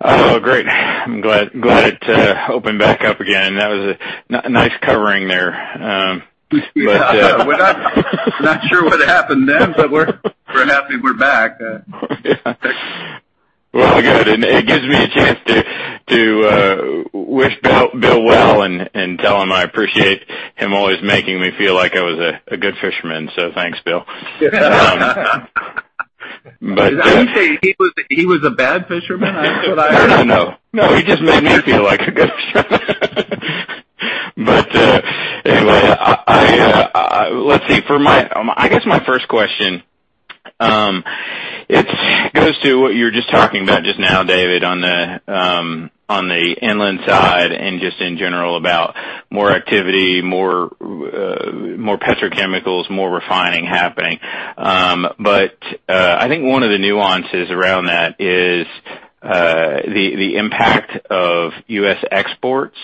Great. I'm glad it opened back up again. That was a nice covering there. We're not sure what happened then, but we're happy we're back. Well, good. It gives me a chance to wish Bill well and tell him I appreciate him always making me feel like I was a good fisherman. Thanks, Bill. Did you say he was a bad fisherman? Is that what I heard? He just made me feel like a good fisherman. Anyway, let's see. I guess my first question goes to what you were just talking about just now, David, on the inland side and just in general about more activity, more petrochemicals, more refining happening. I think one of the nuances around that is the impact of U.S. exports,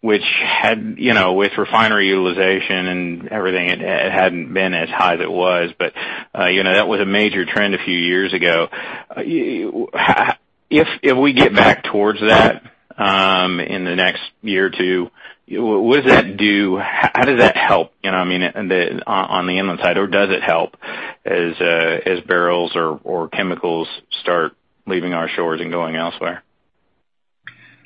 which had, you know, with refinery utilization and everything, it hadn't been as high as it was. You know, that was a major trend a few years ago. If we get back towards that in the next year or two, what does that do? How does that help? You know, I mean, on the inland side, or does it help as barrels or chemicals start leaving our shores and going elsewhere?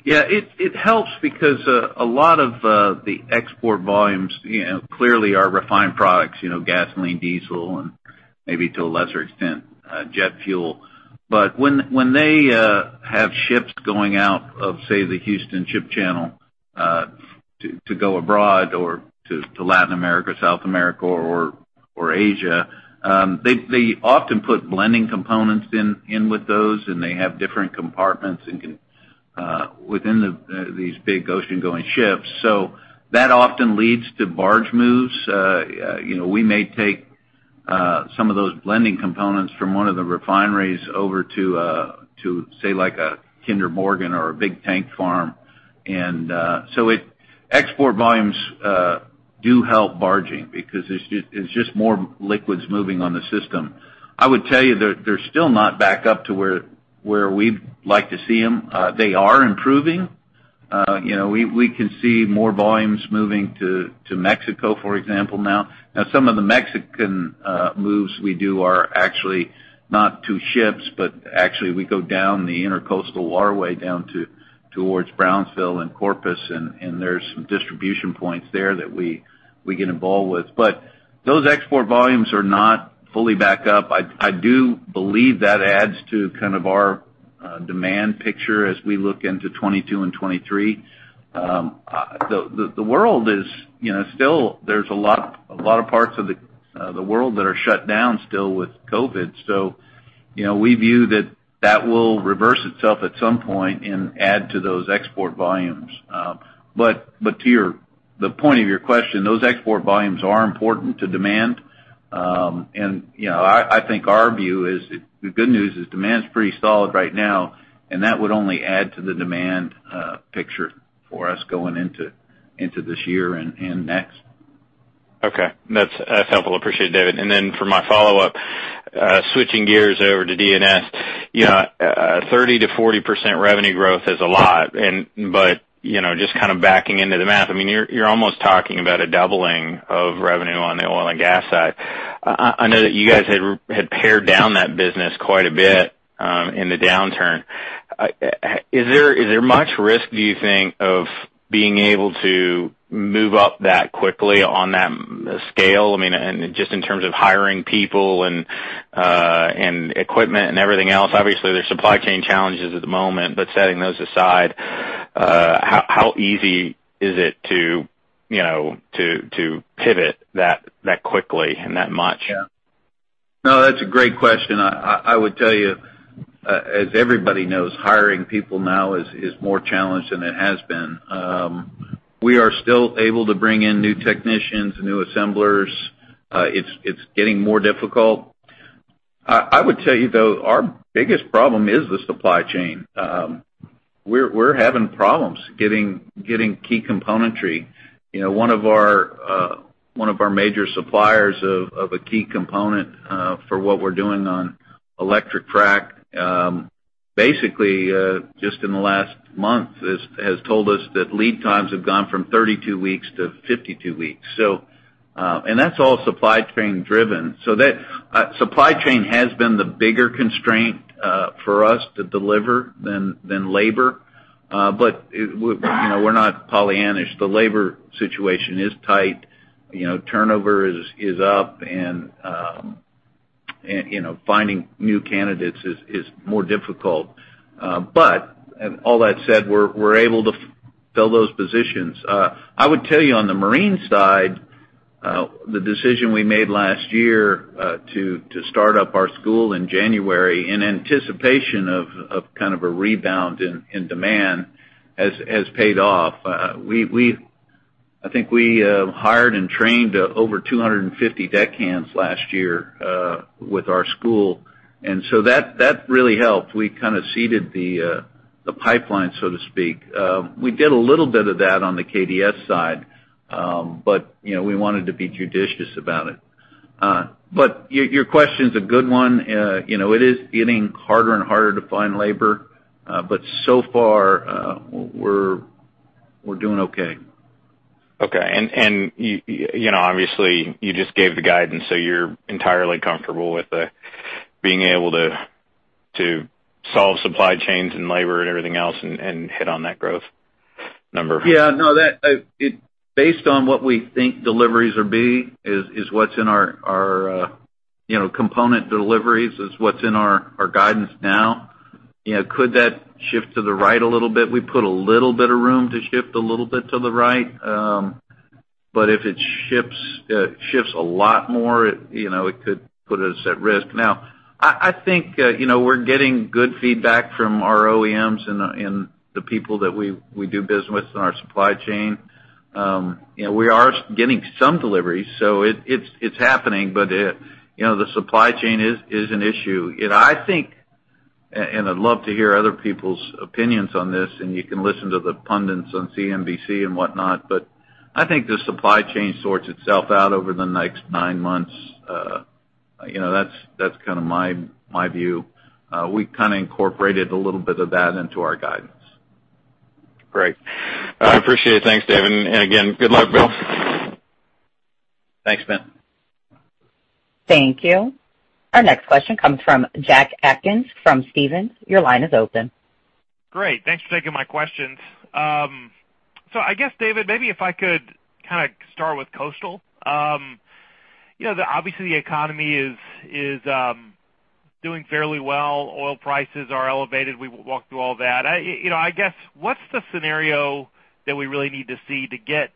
It helps because a lot of the export volumes, you know, clearly are refined products, you know, gasoline, diesel, and maybe to a lesser extent, jet fuel. But when they have ships going out of, say, the Houston Ship Channel, to go abroad or to Latin America, South America or Asia, they often put blending components in with those, and they have different compartments and can within these big ocean-going ships. That often leads to barge moves. You know, we may take some of those blending components from one of the refineries over to, say, like a Kinder Morgan or a big tank farm. Export volumes do help barging because it's just more liquids moving on the system. I would tell you they're still not back up to where we'd like to see them. They are improving. You know, we can see more volumes moving to Mexico, for example, now. Some of the Mexican moves we do are actually not to ships, but actually we go down the Intracoastal Waterway down towards Brownsville and Corpus, and there's some distribution points there that we get involved with. But those export volumes are not fully back up. I do believe that adds to kind of our demand picture as we look into 2022 and 2023. The world is, you know, still there's a lot of parts of the world that are shut down still with COVID. You know, we view that will reverse itself at some point and add to those export volumes. But to the point of your question, those export volumes are important to demand. You know, I think our view is the good news is demand's pretty solid right now, and that would only add to the demand picture for us going into this year and next. Okay. That's helpful. Appreciate it, David. Then for my follow-up, switching gears over to DNS. You know, 30% to 40% revenue growth is a lot, but you know, just kind of backing into the math, I mean, you're almost talking about a doubling of revenue on the oil and gas side. I know that you guys had pared down that business quite a bit in the downturn. Is there much risk, do you think, of being able to move up that quickly on that scale? I mean, just in terms of hiring people and equipment and everything else. Obviously, there's supply chain challenges at the moment, but setting those aside, how easy is it to, you know, to pivot that quickly and that much? Yeah. No, that's a great question. I would tell you, as everybody knows, hiring people now is more challenged than it has been. We are still able to bring in new technicians, new assemblers. It's getting more difficult. I would tell you, though, our biggest problem is the supply chain. We're having problems getting key componentry. You know, one of our major suppliers of a key component for what we're doing on e-frac basically just in the last month has told us that lead times have gone from 32 weeks to 52 weeks. So, and that's all supply chain driven. So that supply chain has been the bigger constraint for us to deliver than labor. But we, you know, we're not pollyannish. The labor situation is tight. You know, turnover is up, and you know, finding new candidates is more difficult. All that said, we're able to fill those positions. I would tell you on the marine side, the decision we made last year to start up our school in January in anticipation of kind of a rebound in demand has paid off. I think we hired and trained over 250 deckhands last year with our school. That really helped. We kind of seeded the pipeline, so to speak. We did a little bit of that on the KDS side, you know, we wanted to be judicious about it. Your question's a good one. You know, it is getting harder and harder to find labor, but so far, we're doing okay. Okay. You know, obviously you just gave the guidance, so you're entirely comfortable with being able to solve supply chains and labor and everything else and hit on that growth number? Yeah. No, that based on what we think deliveries will be is what's in our component deliveries is what's in our guidance now. You know, could that shift to the right a little bit? We put a little bit of room to shift a little bit to the right. But if it shifts a lot more, it could put us at risk. Now, I think you know, we're getting good feedback from our OEMs and the people that we do business with in our supply chain. You know, we are getting some deliveries, so it's happening. But you know, the supply chain is an issue. You know, I think and I'd love to hear other people's opinions on this, and you can listen to the pundits on CNBC and whatnot, but I think the supply chain sorts itself out over the next nine months. You know, that's kind of my view. We kind of incorporated a little bit of that into our guidance. Great. I appreciate it. Thanks, David. Again, good luck, Bill. Thanks, Ben. Thank you. Our next question comes from Jack Atkins from Stephens. Your line is open. Great. Thanks for taking my questions. So I guess, David, maybe if I could kind of start with coastal. You know, the economy is obviously doing fairly well. Oil prices are elevated. We walked through all that. You know, I guess, what's the scenario that we really need to see to get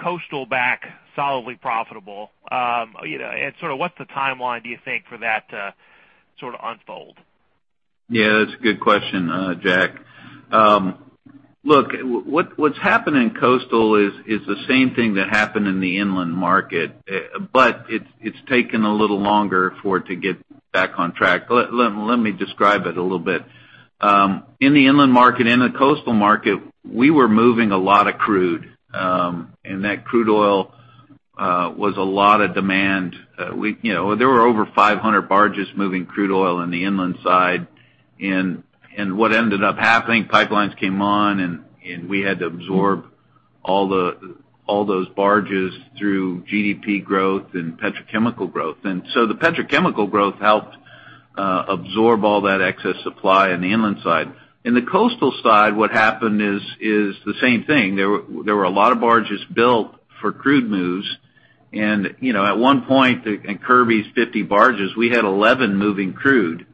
coastal back solidly profitable? You know, and sort of what's the timeline, do you think, for that to sort of unfold? Yeah, that's a good question, Jack. Look, what's happened in coastal is the same thing that happened in the inland market, but it's taken a little longer for it to get back on track. Let me describe it a little bit. In the inland market, in the coastal market, we were moving a lot of crude, and that crude oil was a lot of demand. You know, there were over 500 barges moving crude oil in the inland side. What ended up happening, pipelines came on, and we had to absorb all those barges through GDP growth and petrochemical growth. The petrochemical growth helped absorb all that excess supply on the inland side. In the coastal side, what happened is the same thing. There were a lot of barges built for crude moves. You know, at one point, in Kirby's 50 barges, we had 11 moving crude.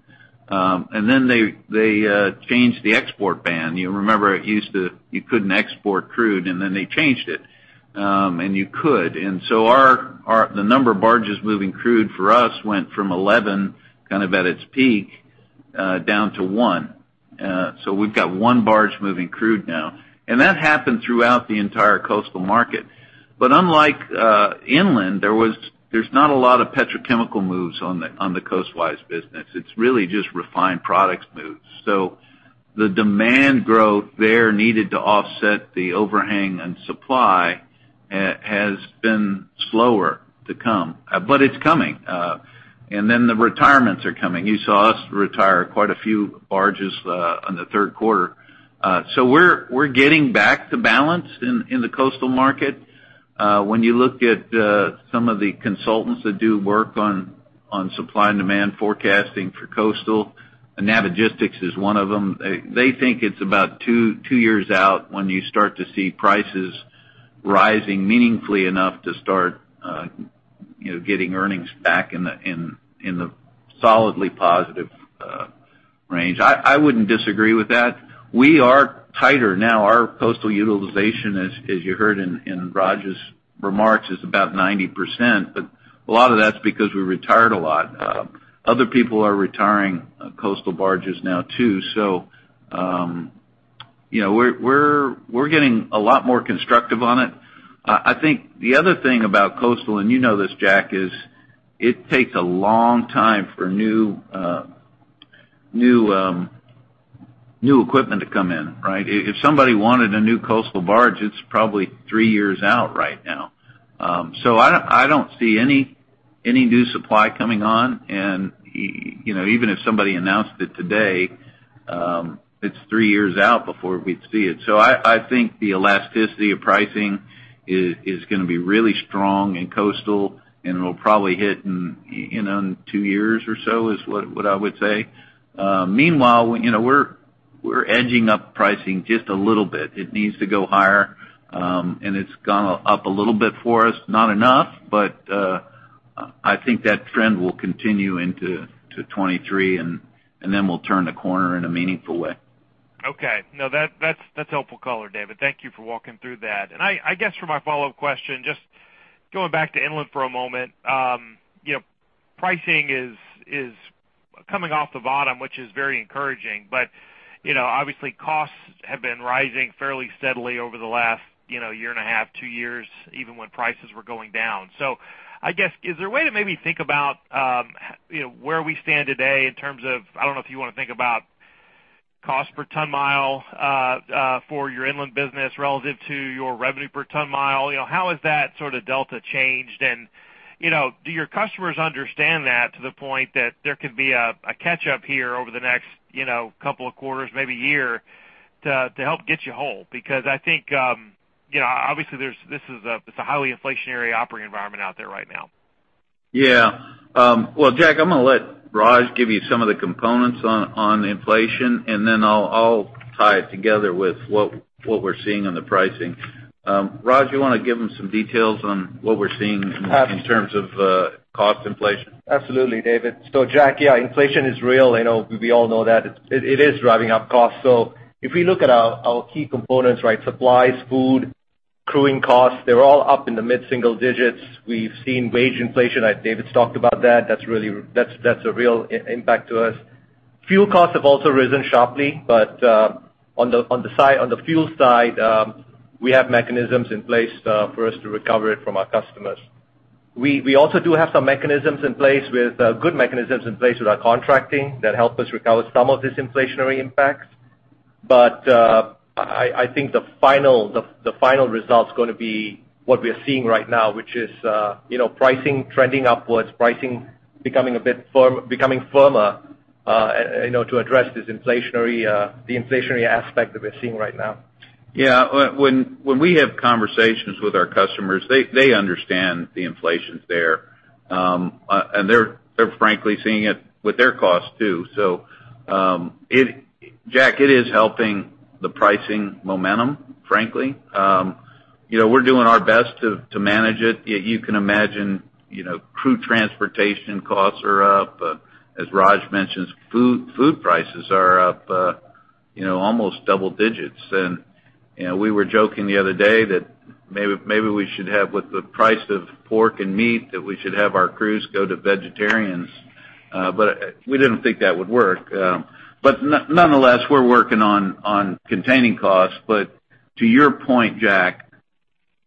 Then they changed the export ban. You remember it used to be you couldn't export crude, and then they changed it, and you could. So the number of barges moving crude for us went from 11, kind of at its peak, down to one. So we've got one barge moving crude now. That happened throughout the entire coastal market. Unlike inland, there's not a lot of petrochemical moves on the coast-wise business. It's really just refined products moves. The demand growth there needed to offset the overhang and supply has been slower to come, but it's coming. The retirements are coming. You saw us retire quite a few barges on the Q3. We're getting back to balance in the coastal market. When you look at some of the consultants that do work on supply and demand forecasting for coastal, and Navigistics is one of them, they think it's about two years out when you start to see prices rising meaningfully enough to start you know, getting earnings back in the solidly positive range. I wouldn't disagree with that. We are tighter now. Our coastal utilization, as you heard in Raj's remarks, is about 90%, but a lot of that's because we retired a lot. Other people are retiring coastal barges now too. You know, we're getting a lot more constructive on it. I think the other thing about coastal, and you know this, Jack, is it takes a long time for new equipment to come in, right? If somebody wanted a new coastal barge, it's probably three years out right now. I don't see any new supply coming on. You know, even if somebody announced it today, it's three years out before we'd see it. I think the elasticity of pricing is gonna be really strong in coastal, and it'll probably hit in two years or so, is what I would say. Meanwhile, you know, we're edging up pricing just a little bit. It needs to go higher, and it's gone up a little bit for us, not enough, but I think that trend will continue into 2023, and then we'll turn the corner in a meaningful way. Okay. No, that's helpful color, David. Thank you for walking through that. I guess for my follow-up question, just going back to inland for a moment. You know, pricing is coming off the bottom, which is very encouraging. But, you know, obviously, costs have been rising fairly steadily over the last, you know, year and a half, two years, even when prices were going down. I guess, is there a way to maybe think about, you know, where we stand today in terms of I don't know if you want to think about cost per ton mile, for your inland business relative to your revenue per ton mile. You know, how has that sort of delta changed? You know, do your customers understand that to the point that there could be a catch-up here over the next, you know, couple of quarters, maybe year, to help get you whole? Because I think, you know, obviously, this is a highly inflationary operating environment out there right now. Yeah. Well, Jack, I'm gonna let Raj give you some of the components on inflation, and then I'll tie it together with what we're seeing on the pricing. Raj, you wanna give him some details on what we're seeing- Absolutely. In terms of cost inflation? Absolutely, David. Jack, yeah, inflation is real. I know we all know that. It is driving up costs. If we look at our key components, right, supplies, food, crewing costs, they're all up in the mid-single digits. We've seen wage inflation. David's talked about that. That's really a real impact to us. Fuel costs have also risen sharply, but on the fuel side, we have mechanisms in place for us to recover it from our customers. We also do have some mechanisms in place with good mechanisms in place with our contracting that help us recover some of this inflationary impacts. I think the final result's gonna be what we're seeing right now, which is, you know, pricing trending upwards, pricing becoming firmer, you know, to address the inflationary aspect that we're seeing right now. When we have conversations with our customers, they understand the inflation's there, and they're frankly seeing it with their costs, too. Jack, it is helping the pricing momentum, frankly. You know, we're doing our best to manage it. You can imagine, you know, crew transportation costs are up. As Raj mentioned, food prices are up, you know, almost double digits. We were joking the other day that maybe with the price of pork and meat we should have our crews go vegetarian, but we didn't think that would work. Nonetheless, we're working on containing costs. To your point, Jack,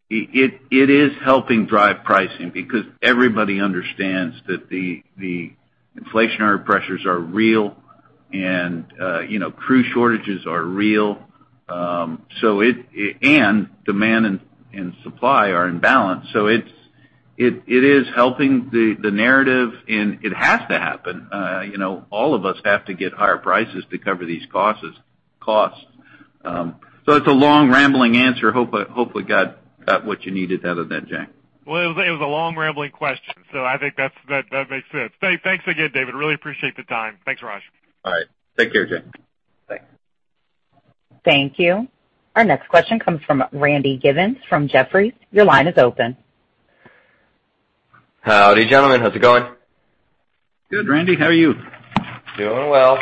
it is helping drive pricing because everybody understands that the inflationary pressures are real and, you know, crew shortages are real, so it and demand and supply are in balance. It is helping the narrative, and it has to happen. You know, all of us have to get higher prices to cover these costs. It's a long, rambling answer. Hope we got what you needed out of that, Jack. Well, it was a long, rambling question, so I think that makes sense. Thanks again, David. I really appreciate the time. Thanks, Raj. All right. Take care, Jack. Thanks. Thank you. Our next question comes from Randy Giveans from Jefferies. Your line is open. Howdy, gentlemen. How's it going? Good, Randy. How are you? Doing well.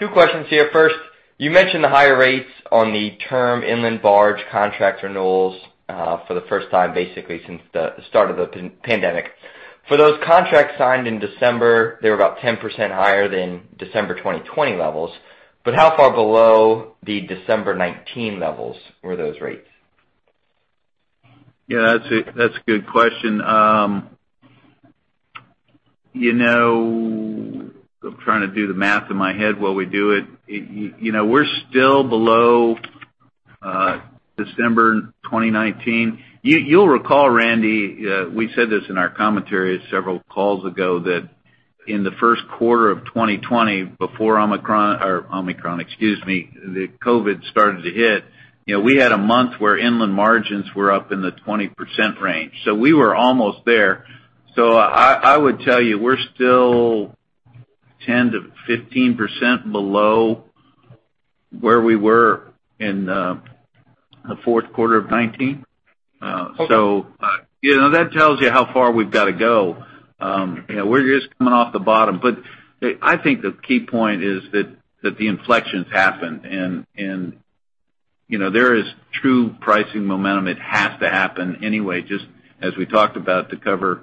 Two questions here. First, you mentioned the higher rates on the term inland barge contract renewals, for the first time, basically, since the start of the pandemic. For those contracts signed in December, they were about 10% higher than December 2020 levels. How far below the December 2019 levels were those rates? Yeah, that's a good question. You know, I'm trying to do the math in my head while we do it. You know, we're still below December 2019. You'll recall, Randy, we said this in our commentary several calls ago that in the Q1 of 2020, before Omicron, excuse me, the COVID started to hit. You know, we had a month where inland margins were up in the 20% range. We were almost there. I would tell you, we're still 10%-15% below where we were in the Q4 of 2019. You know, that tells you how far we've got to go. You know, we're just coming off the bottom. I think the key point is that the inflection's happened. You know, there is true pricing momentum. It has to happen anyway, just as we talked about to cover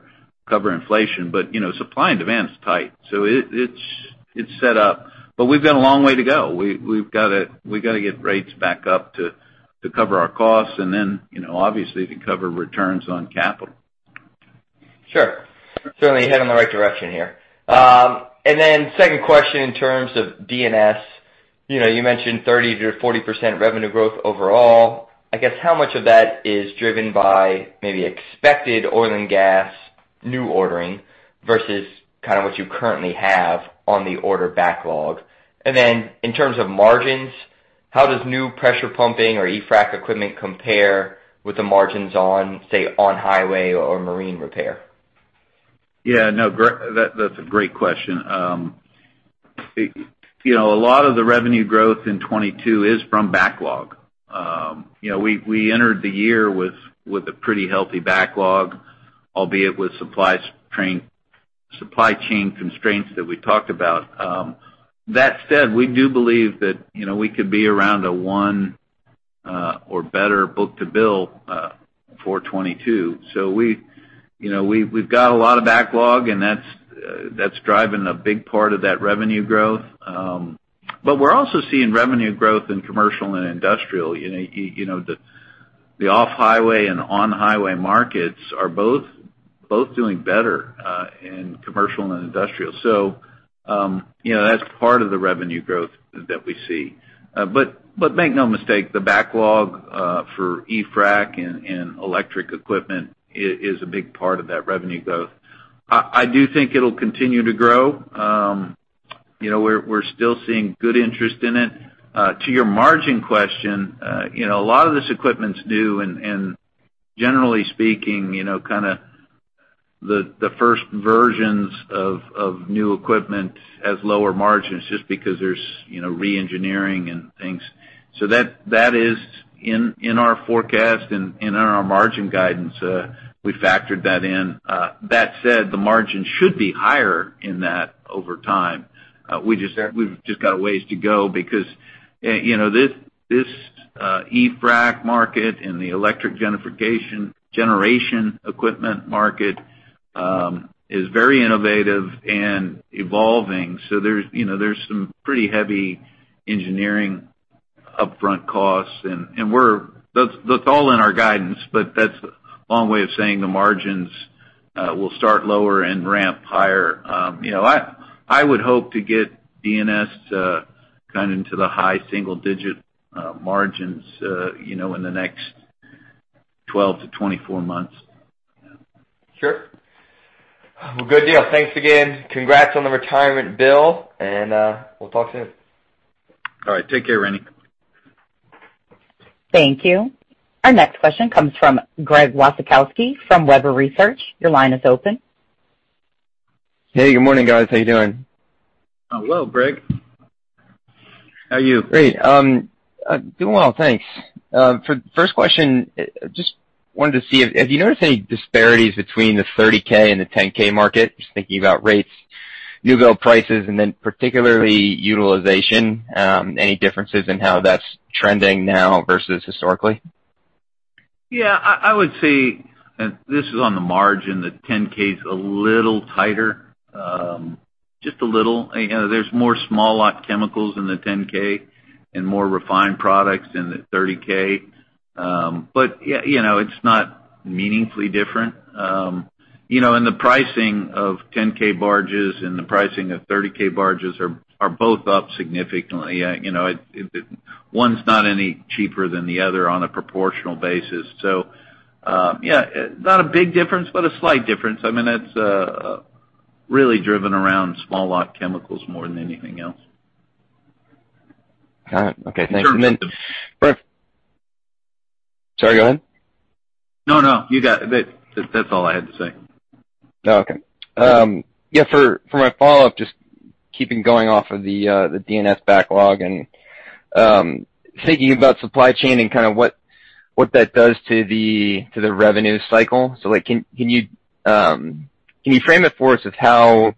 inflation. You know, supply and demand is tight, so it's set up. We've got a long way to go. We've got to get rates back up to cover our costs and then, you know, obviously to cover returns on capital. Sure. Certainly headed in the right direction here. Second question in terms of DNS. You know, you mentioned 30% to 40% revenue growth overall. I guess how much of that is driven by maybe expected oil and gas new ordering versus kind of what you currently have on the order backlog? In terms of margins, how does new pressure pumping or e-frac equipment compare with the margins on, say, on-highway or marine repair? Yeah, no, that’s a great question. You know, a lot of the revenue growth in 2022 is from backlog. You know, we entered the year with a pretty healthy backlog, albeit with supply chain constraints that we talked about. That said, we do believe that you know, we could be around a one or better book-to-bill for 2022. We, you know, we’ve got a lot of backlog, and that’s driving a big part of that revenue growth. But we’re also seeing revenue growth in commercial and industrial. You know, you know, the off-highway and on-highway markets are both doing better in commercial and industrial. You know, that’s part of the revenue growth that we see. Make no mistake, the backlog for e-frac and electric equipment is a big part of that revenue growth. I do think it'll continue to grow. You know, we're still seeing good interest in it. To your margin question, you know, a lot of this equipment's new, and generally speaking, you know, kind of the first versions of new equipment has lower margins just because there's, you know, re-engineering and things. That is in our forecast and in our margin guidance, we factored that in. That said, the margin should be higher in that over time. Sure. We've just got a ways to go because, you know, this e-frac market and the electric generation equipment market is very innovative and evolving. There's, you know, some pretty heavy engineering upfront costs, and that's all in our guidance, but that's a long way of saying the margins will start lower and ramp higher. You know, I would hope to get DNS to kinda into the high single-digit margins, you know, in the next 12 to 24 months. Sure. Well, good deal. Thanks again. Congrats on the retirement, Bill, and we'll talk soon. All right. Take care, Randy. Thank you. Our next question comes from Greg Wasikowski from Webber Research. Your line is open. Hey, good morning, guys. How you doing? Hello, Greg. How are you? Great. Doing well, thanks. First question, just wanted to see if you have noticed any disparities between the 30,000 and the 10,000 market? Just thinking about rates, new build prices, and then particularly utilization, any differences in how that's trending now versus historically? Yeah, I would say, and this is on the margin, the 10,000 is a little tighter, just a little. You know, there's more small lot chemicals in the 10,000 and more refined products in the 30,000. You know, it's not meaningfully different. You know, the pricing of 10,000 barges and the pricing of 30,000 barges are both up significantly. You know, one's not any cheaper than the other on a proportional basis. Yeah, not a big difference, but a slight difference. I mean, it's really driven around small lot chemicals more than anything else. All right. Okay, thanks. Sure. Sorry, go ahead. No, you got it. That, that's all I had to say. Okay. Yeah, for my follow-up, just keeping going off of the DNS backlog and thinking about supply chain and kind of what that does to the revenue cycle. Like, can you frame it for us of how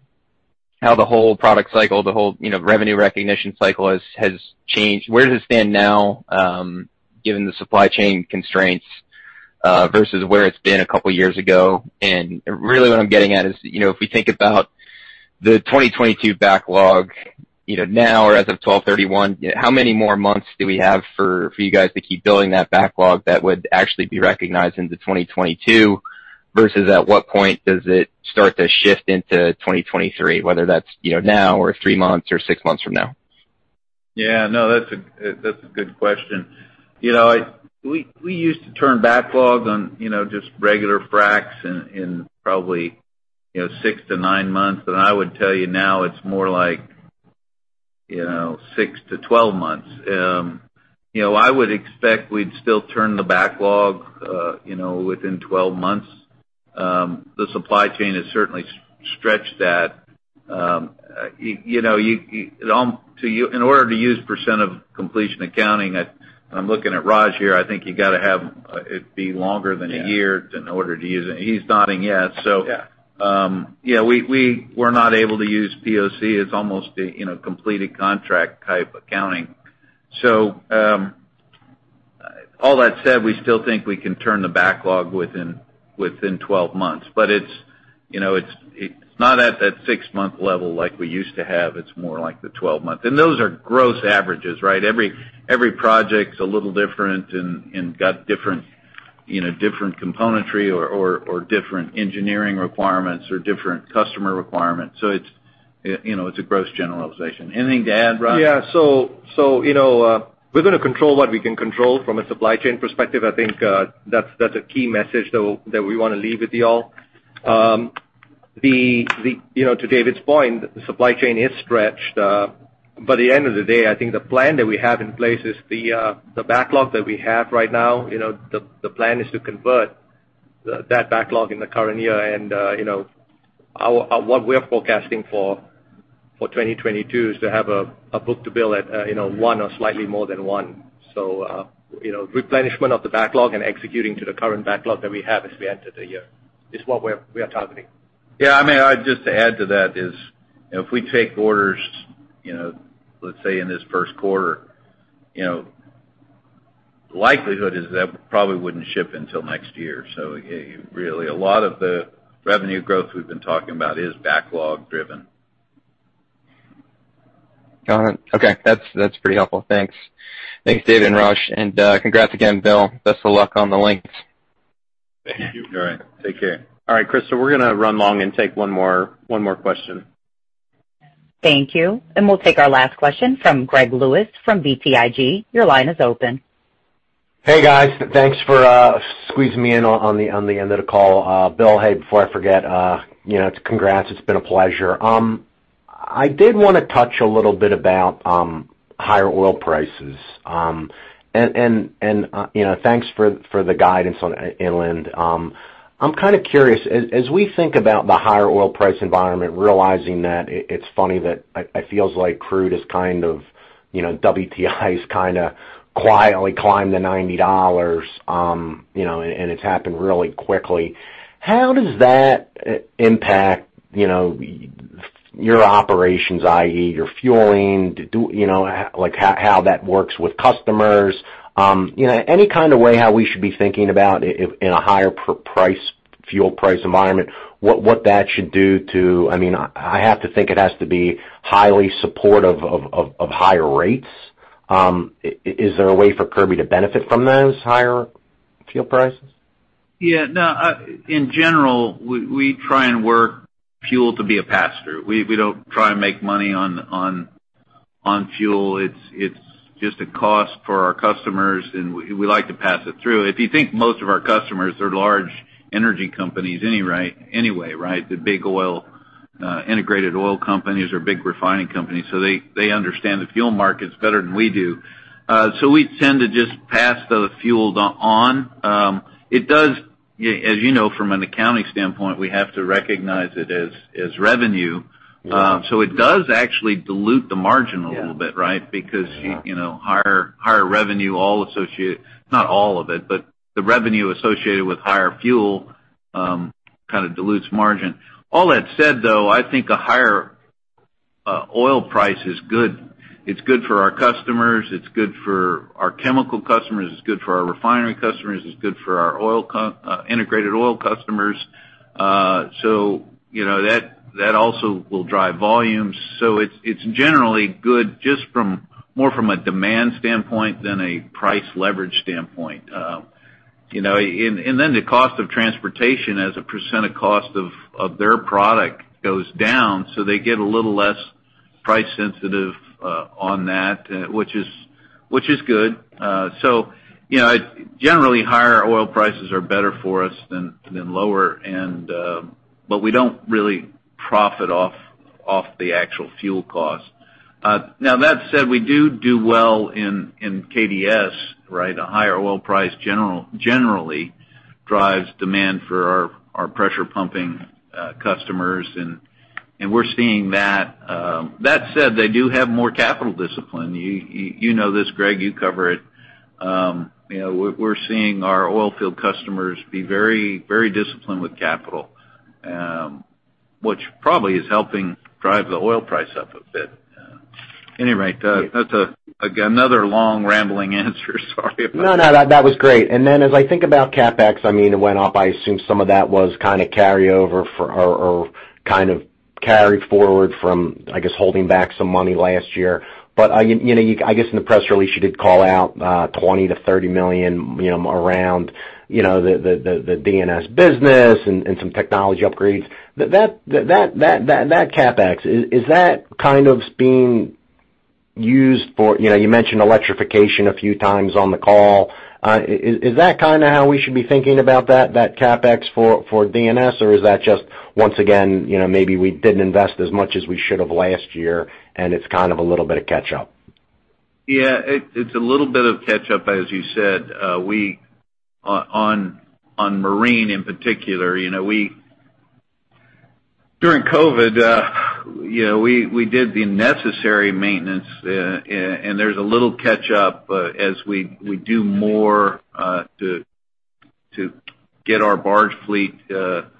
the whole product cycle, the whole you know revenue recognition cycle has changed? Where does it stand now, given the supply chain constraints, versus where it's been a couple years ago? Really what I'm getting at is, you know, if we think about the 2022 backlog, you know, now or as of 12/31, how many more months do we have for you guys to keep building that backlog that would actually be recognized into 2022 versus at what point does it start to shift into 2023, whether that's, you know, now or three months or six months from now? Yeah, no, that's a good question. You know, we used to turn backlogs on, you know, just regular fracs in probably, you know, six to nine months. I would tell you now it's more like, you know, six to 12 months. You know, I would expect we'd still turn the backlog, you know, within 12 months. The supply chain has certainly stretched that. You know, in order to use percent of completion accounting, I'm looking at Raj here, I think you got to have it be longer than a year. Yeah. in order to use it. He's nodding yes, so. Yeah. Yeah, we're not able to use POC. It's almost a, you know, completed contract type accounting. All that said, we still think we can turn the backlog within 12 months. But it's not at that six-month level like we used to have. It's more like the 12-month. And those are gross averages, right? Every project's a little different and got different, you know, different componentry or different engineering requirements or different customer requirements. It's a gross generalization. Anything to add, Raj? Yeah. So, you know, we're gonna control what we can control from a supply chain perspective. I think, that's a key message that we wanna leave with you all. You know, to David's point, the supply chain is stretched. By the end of the day, I think the plan that we have in place is the backlog that we have right now, you know, the plan is to convert that backlog in the current year. What we're forecasting for 2022 is to have a book-to-bill at one or slightly more than one. You know, replenishment of the backlog and executing to the current backlog that we have as we enter the year is what we're targeting. Yeah, I mean, I'd just add to that is, if we take orders, you know, let's say in this Q1, you know, likelihood is that probably wouldn't ship until next year. So really a lot of the revenue growth we've been talking about is backlog driven. Got it. Okay. That's pretty helpful. Thanks. Thanks, David and Raj. Congrats again, Bill. Best of luck on the links. Thank you. All right. Take care. All right, Crystal, we're gonna run long and take one more question. Thank you. We'll take our last question from Greg Lewis from BTIG. Your line is open. Hey, guys. Thanks for squeezing me in on the end of the call. Bill, hey, before I forget, you know, it's congrats. It's been a pleasure. I did wanna touch a little bit about higher oil prices. And you know, thanks for the guidance on inland. I'm kind of curious, as we think about the higher oil price environment, realizing that it's funny that it feels like crude is kind of, you know, WTI's kinda quietly climbed to $90, you know, and it's happened really quickly. How does that impact, you know, your operations, i.e. your fueling? You know, like, how that works with customers? You know, any kind of way how we should be thinking about in a higher price, fuel price environment, what that should do to. I mean, I have to think it has to be highly supportive of higher rates. Is there a way for Kirby to benefit from those higher fuel prices? Yeah, no, in general, we try and work fuel to be a pass-through. We don't try and make money on fuel. It's just a cost for our customers, and we like to pass it through. If you think most of our customers are large energy companies, anyway, right? The big oil integrated oil companies or big refining companies, so they understand the fuel markets better than we do. So we tend to just pass the fuel on. It does. As you know, from an accounting standpoint, we have to recognize it as revenue. Yeah. It does actually dilute the margin a little bit, right? Yeah. Because higher revenue, not all of it, but the revenue associated with higher fuel kind of dilutes margin. All that said, though, I think a higher oil price is good. It's good for our customers, it's good for our chemical customers, it's good for our refinery customers, it's good for our integrated oil customers. So, you know, that also will drive volumes. So it's generally good just from more from a demand standpoint than a price leverage standpoint. You know, and then the cost of transportation as a percent of cost of their product goes down, so they get a little less price sensitive on that, which is good. You know, generally, higher oil prices are better for us than lower, but we don't really profit off the actual fuel cost. Now that said, we do well in KDS, right? A higher oil price generally drives demand for our pressure pumping customers, and we're seeing that. That said, they do have more capital discipline. You know this, Greg, you cover it. You know, we're seeing our oil field customers be very disciplined with capital, which probably is helping drive the oil price up a bit. At any rate, that's again another long, rambling answer. Sorry about that. No, that was great. Then as I think about CapEx, I mean, it went up. I assume some of that was kind of carryover or kind of carry forward from, I guess, holding back some money last year. You know, I guess in the press release, you did call out $20 million to $30 million, you know, around the DNS business and some technology upgrades. That CapEx, is that kind of being used for? You know, you mentioned electrification a few times on the call. Is that kinda how we should be thinking about that CapEx for DNS? is that just once again, you know, maybe we didn't invest as much as we should have last year, and it's kind of a little bit of catch up? Yeah, it's a little bit of catch up, as you said. We on marine, in particular, you know, we. During COVID, you know, we did the necessary maintenance, and there's a little catch up, as we do more, to get our barge fleet better.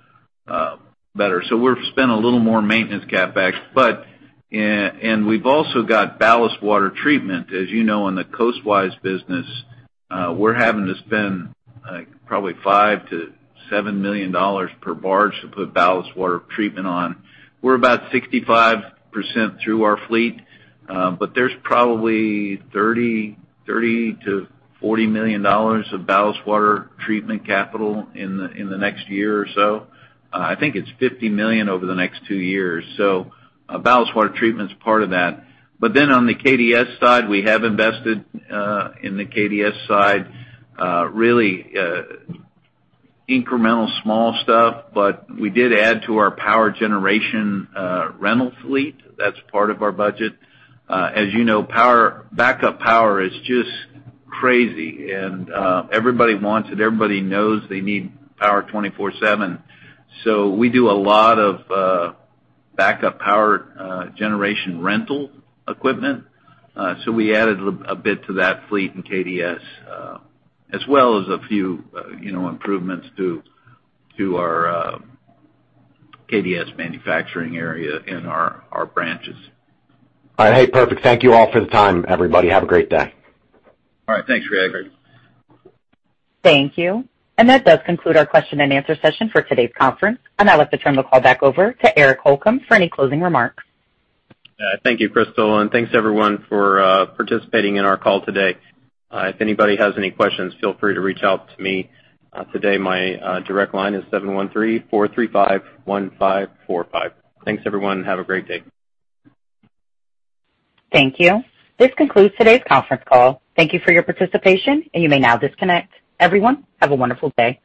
We're spending a little more maintenance CapEx, but and we've also got ballast water treatment. As you know, in the Coastwise business, we're having to spend probably $5-$7 million per barge to put ballast water treatment on. We're about 65% through our fleet, but there's probably $30 to $40 million of ballast water treatment capital in the next year or so. I think it's $50 million over the next two years. Ballast water treatment's part of that. On the KDS side, we have invested in really incremental small stuff, but we did add to our power generation rental fleet. That's part of our budget. As you know, backup power is just crazy, and everybody wants it. Everybody knows they need power 24/7. So we do a lot of backup power generation rental equipment. So we added a bit to that fleet in KDS, as well as a few, you know, improvements to our KDS manufacturing area in our branches. All right. Hey, perfect. Thank you all for the time, everybody. Have a great day. All right. Thanks, Greg. Thank you. That does conclude our question-and-answer session for today's conference. I'd like to turn the call back over to Eric Holcomb for any closing remarks. Thank you, Crystal, and thanks, everyone, for participating in our call today. If anybody has any questions, feel free to reach out to me today. My direct line is 713-435-1545. Thanks, everyone, and have a great day. Thank you. This concludes today's conference call. Thank you for your participation, and you may now disconnect. Everyone, have a wonderful day.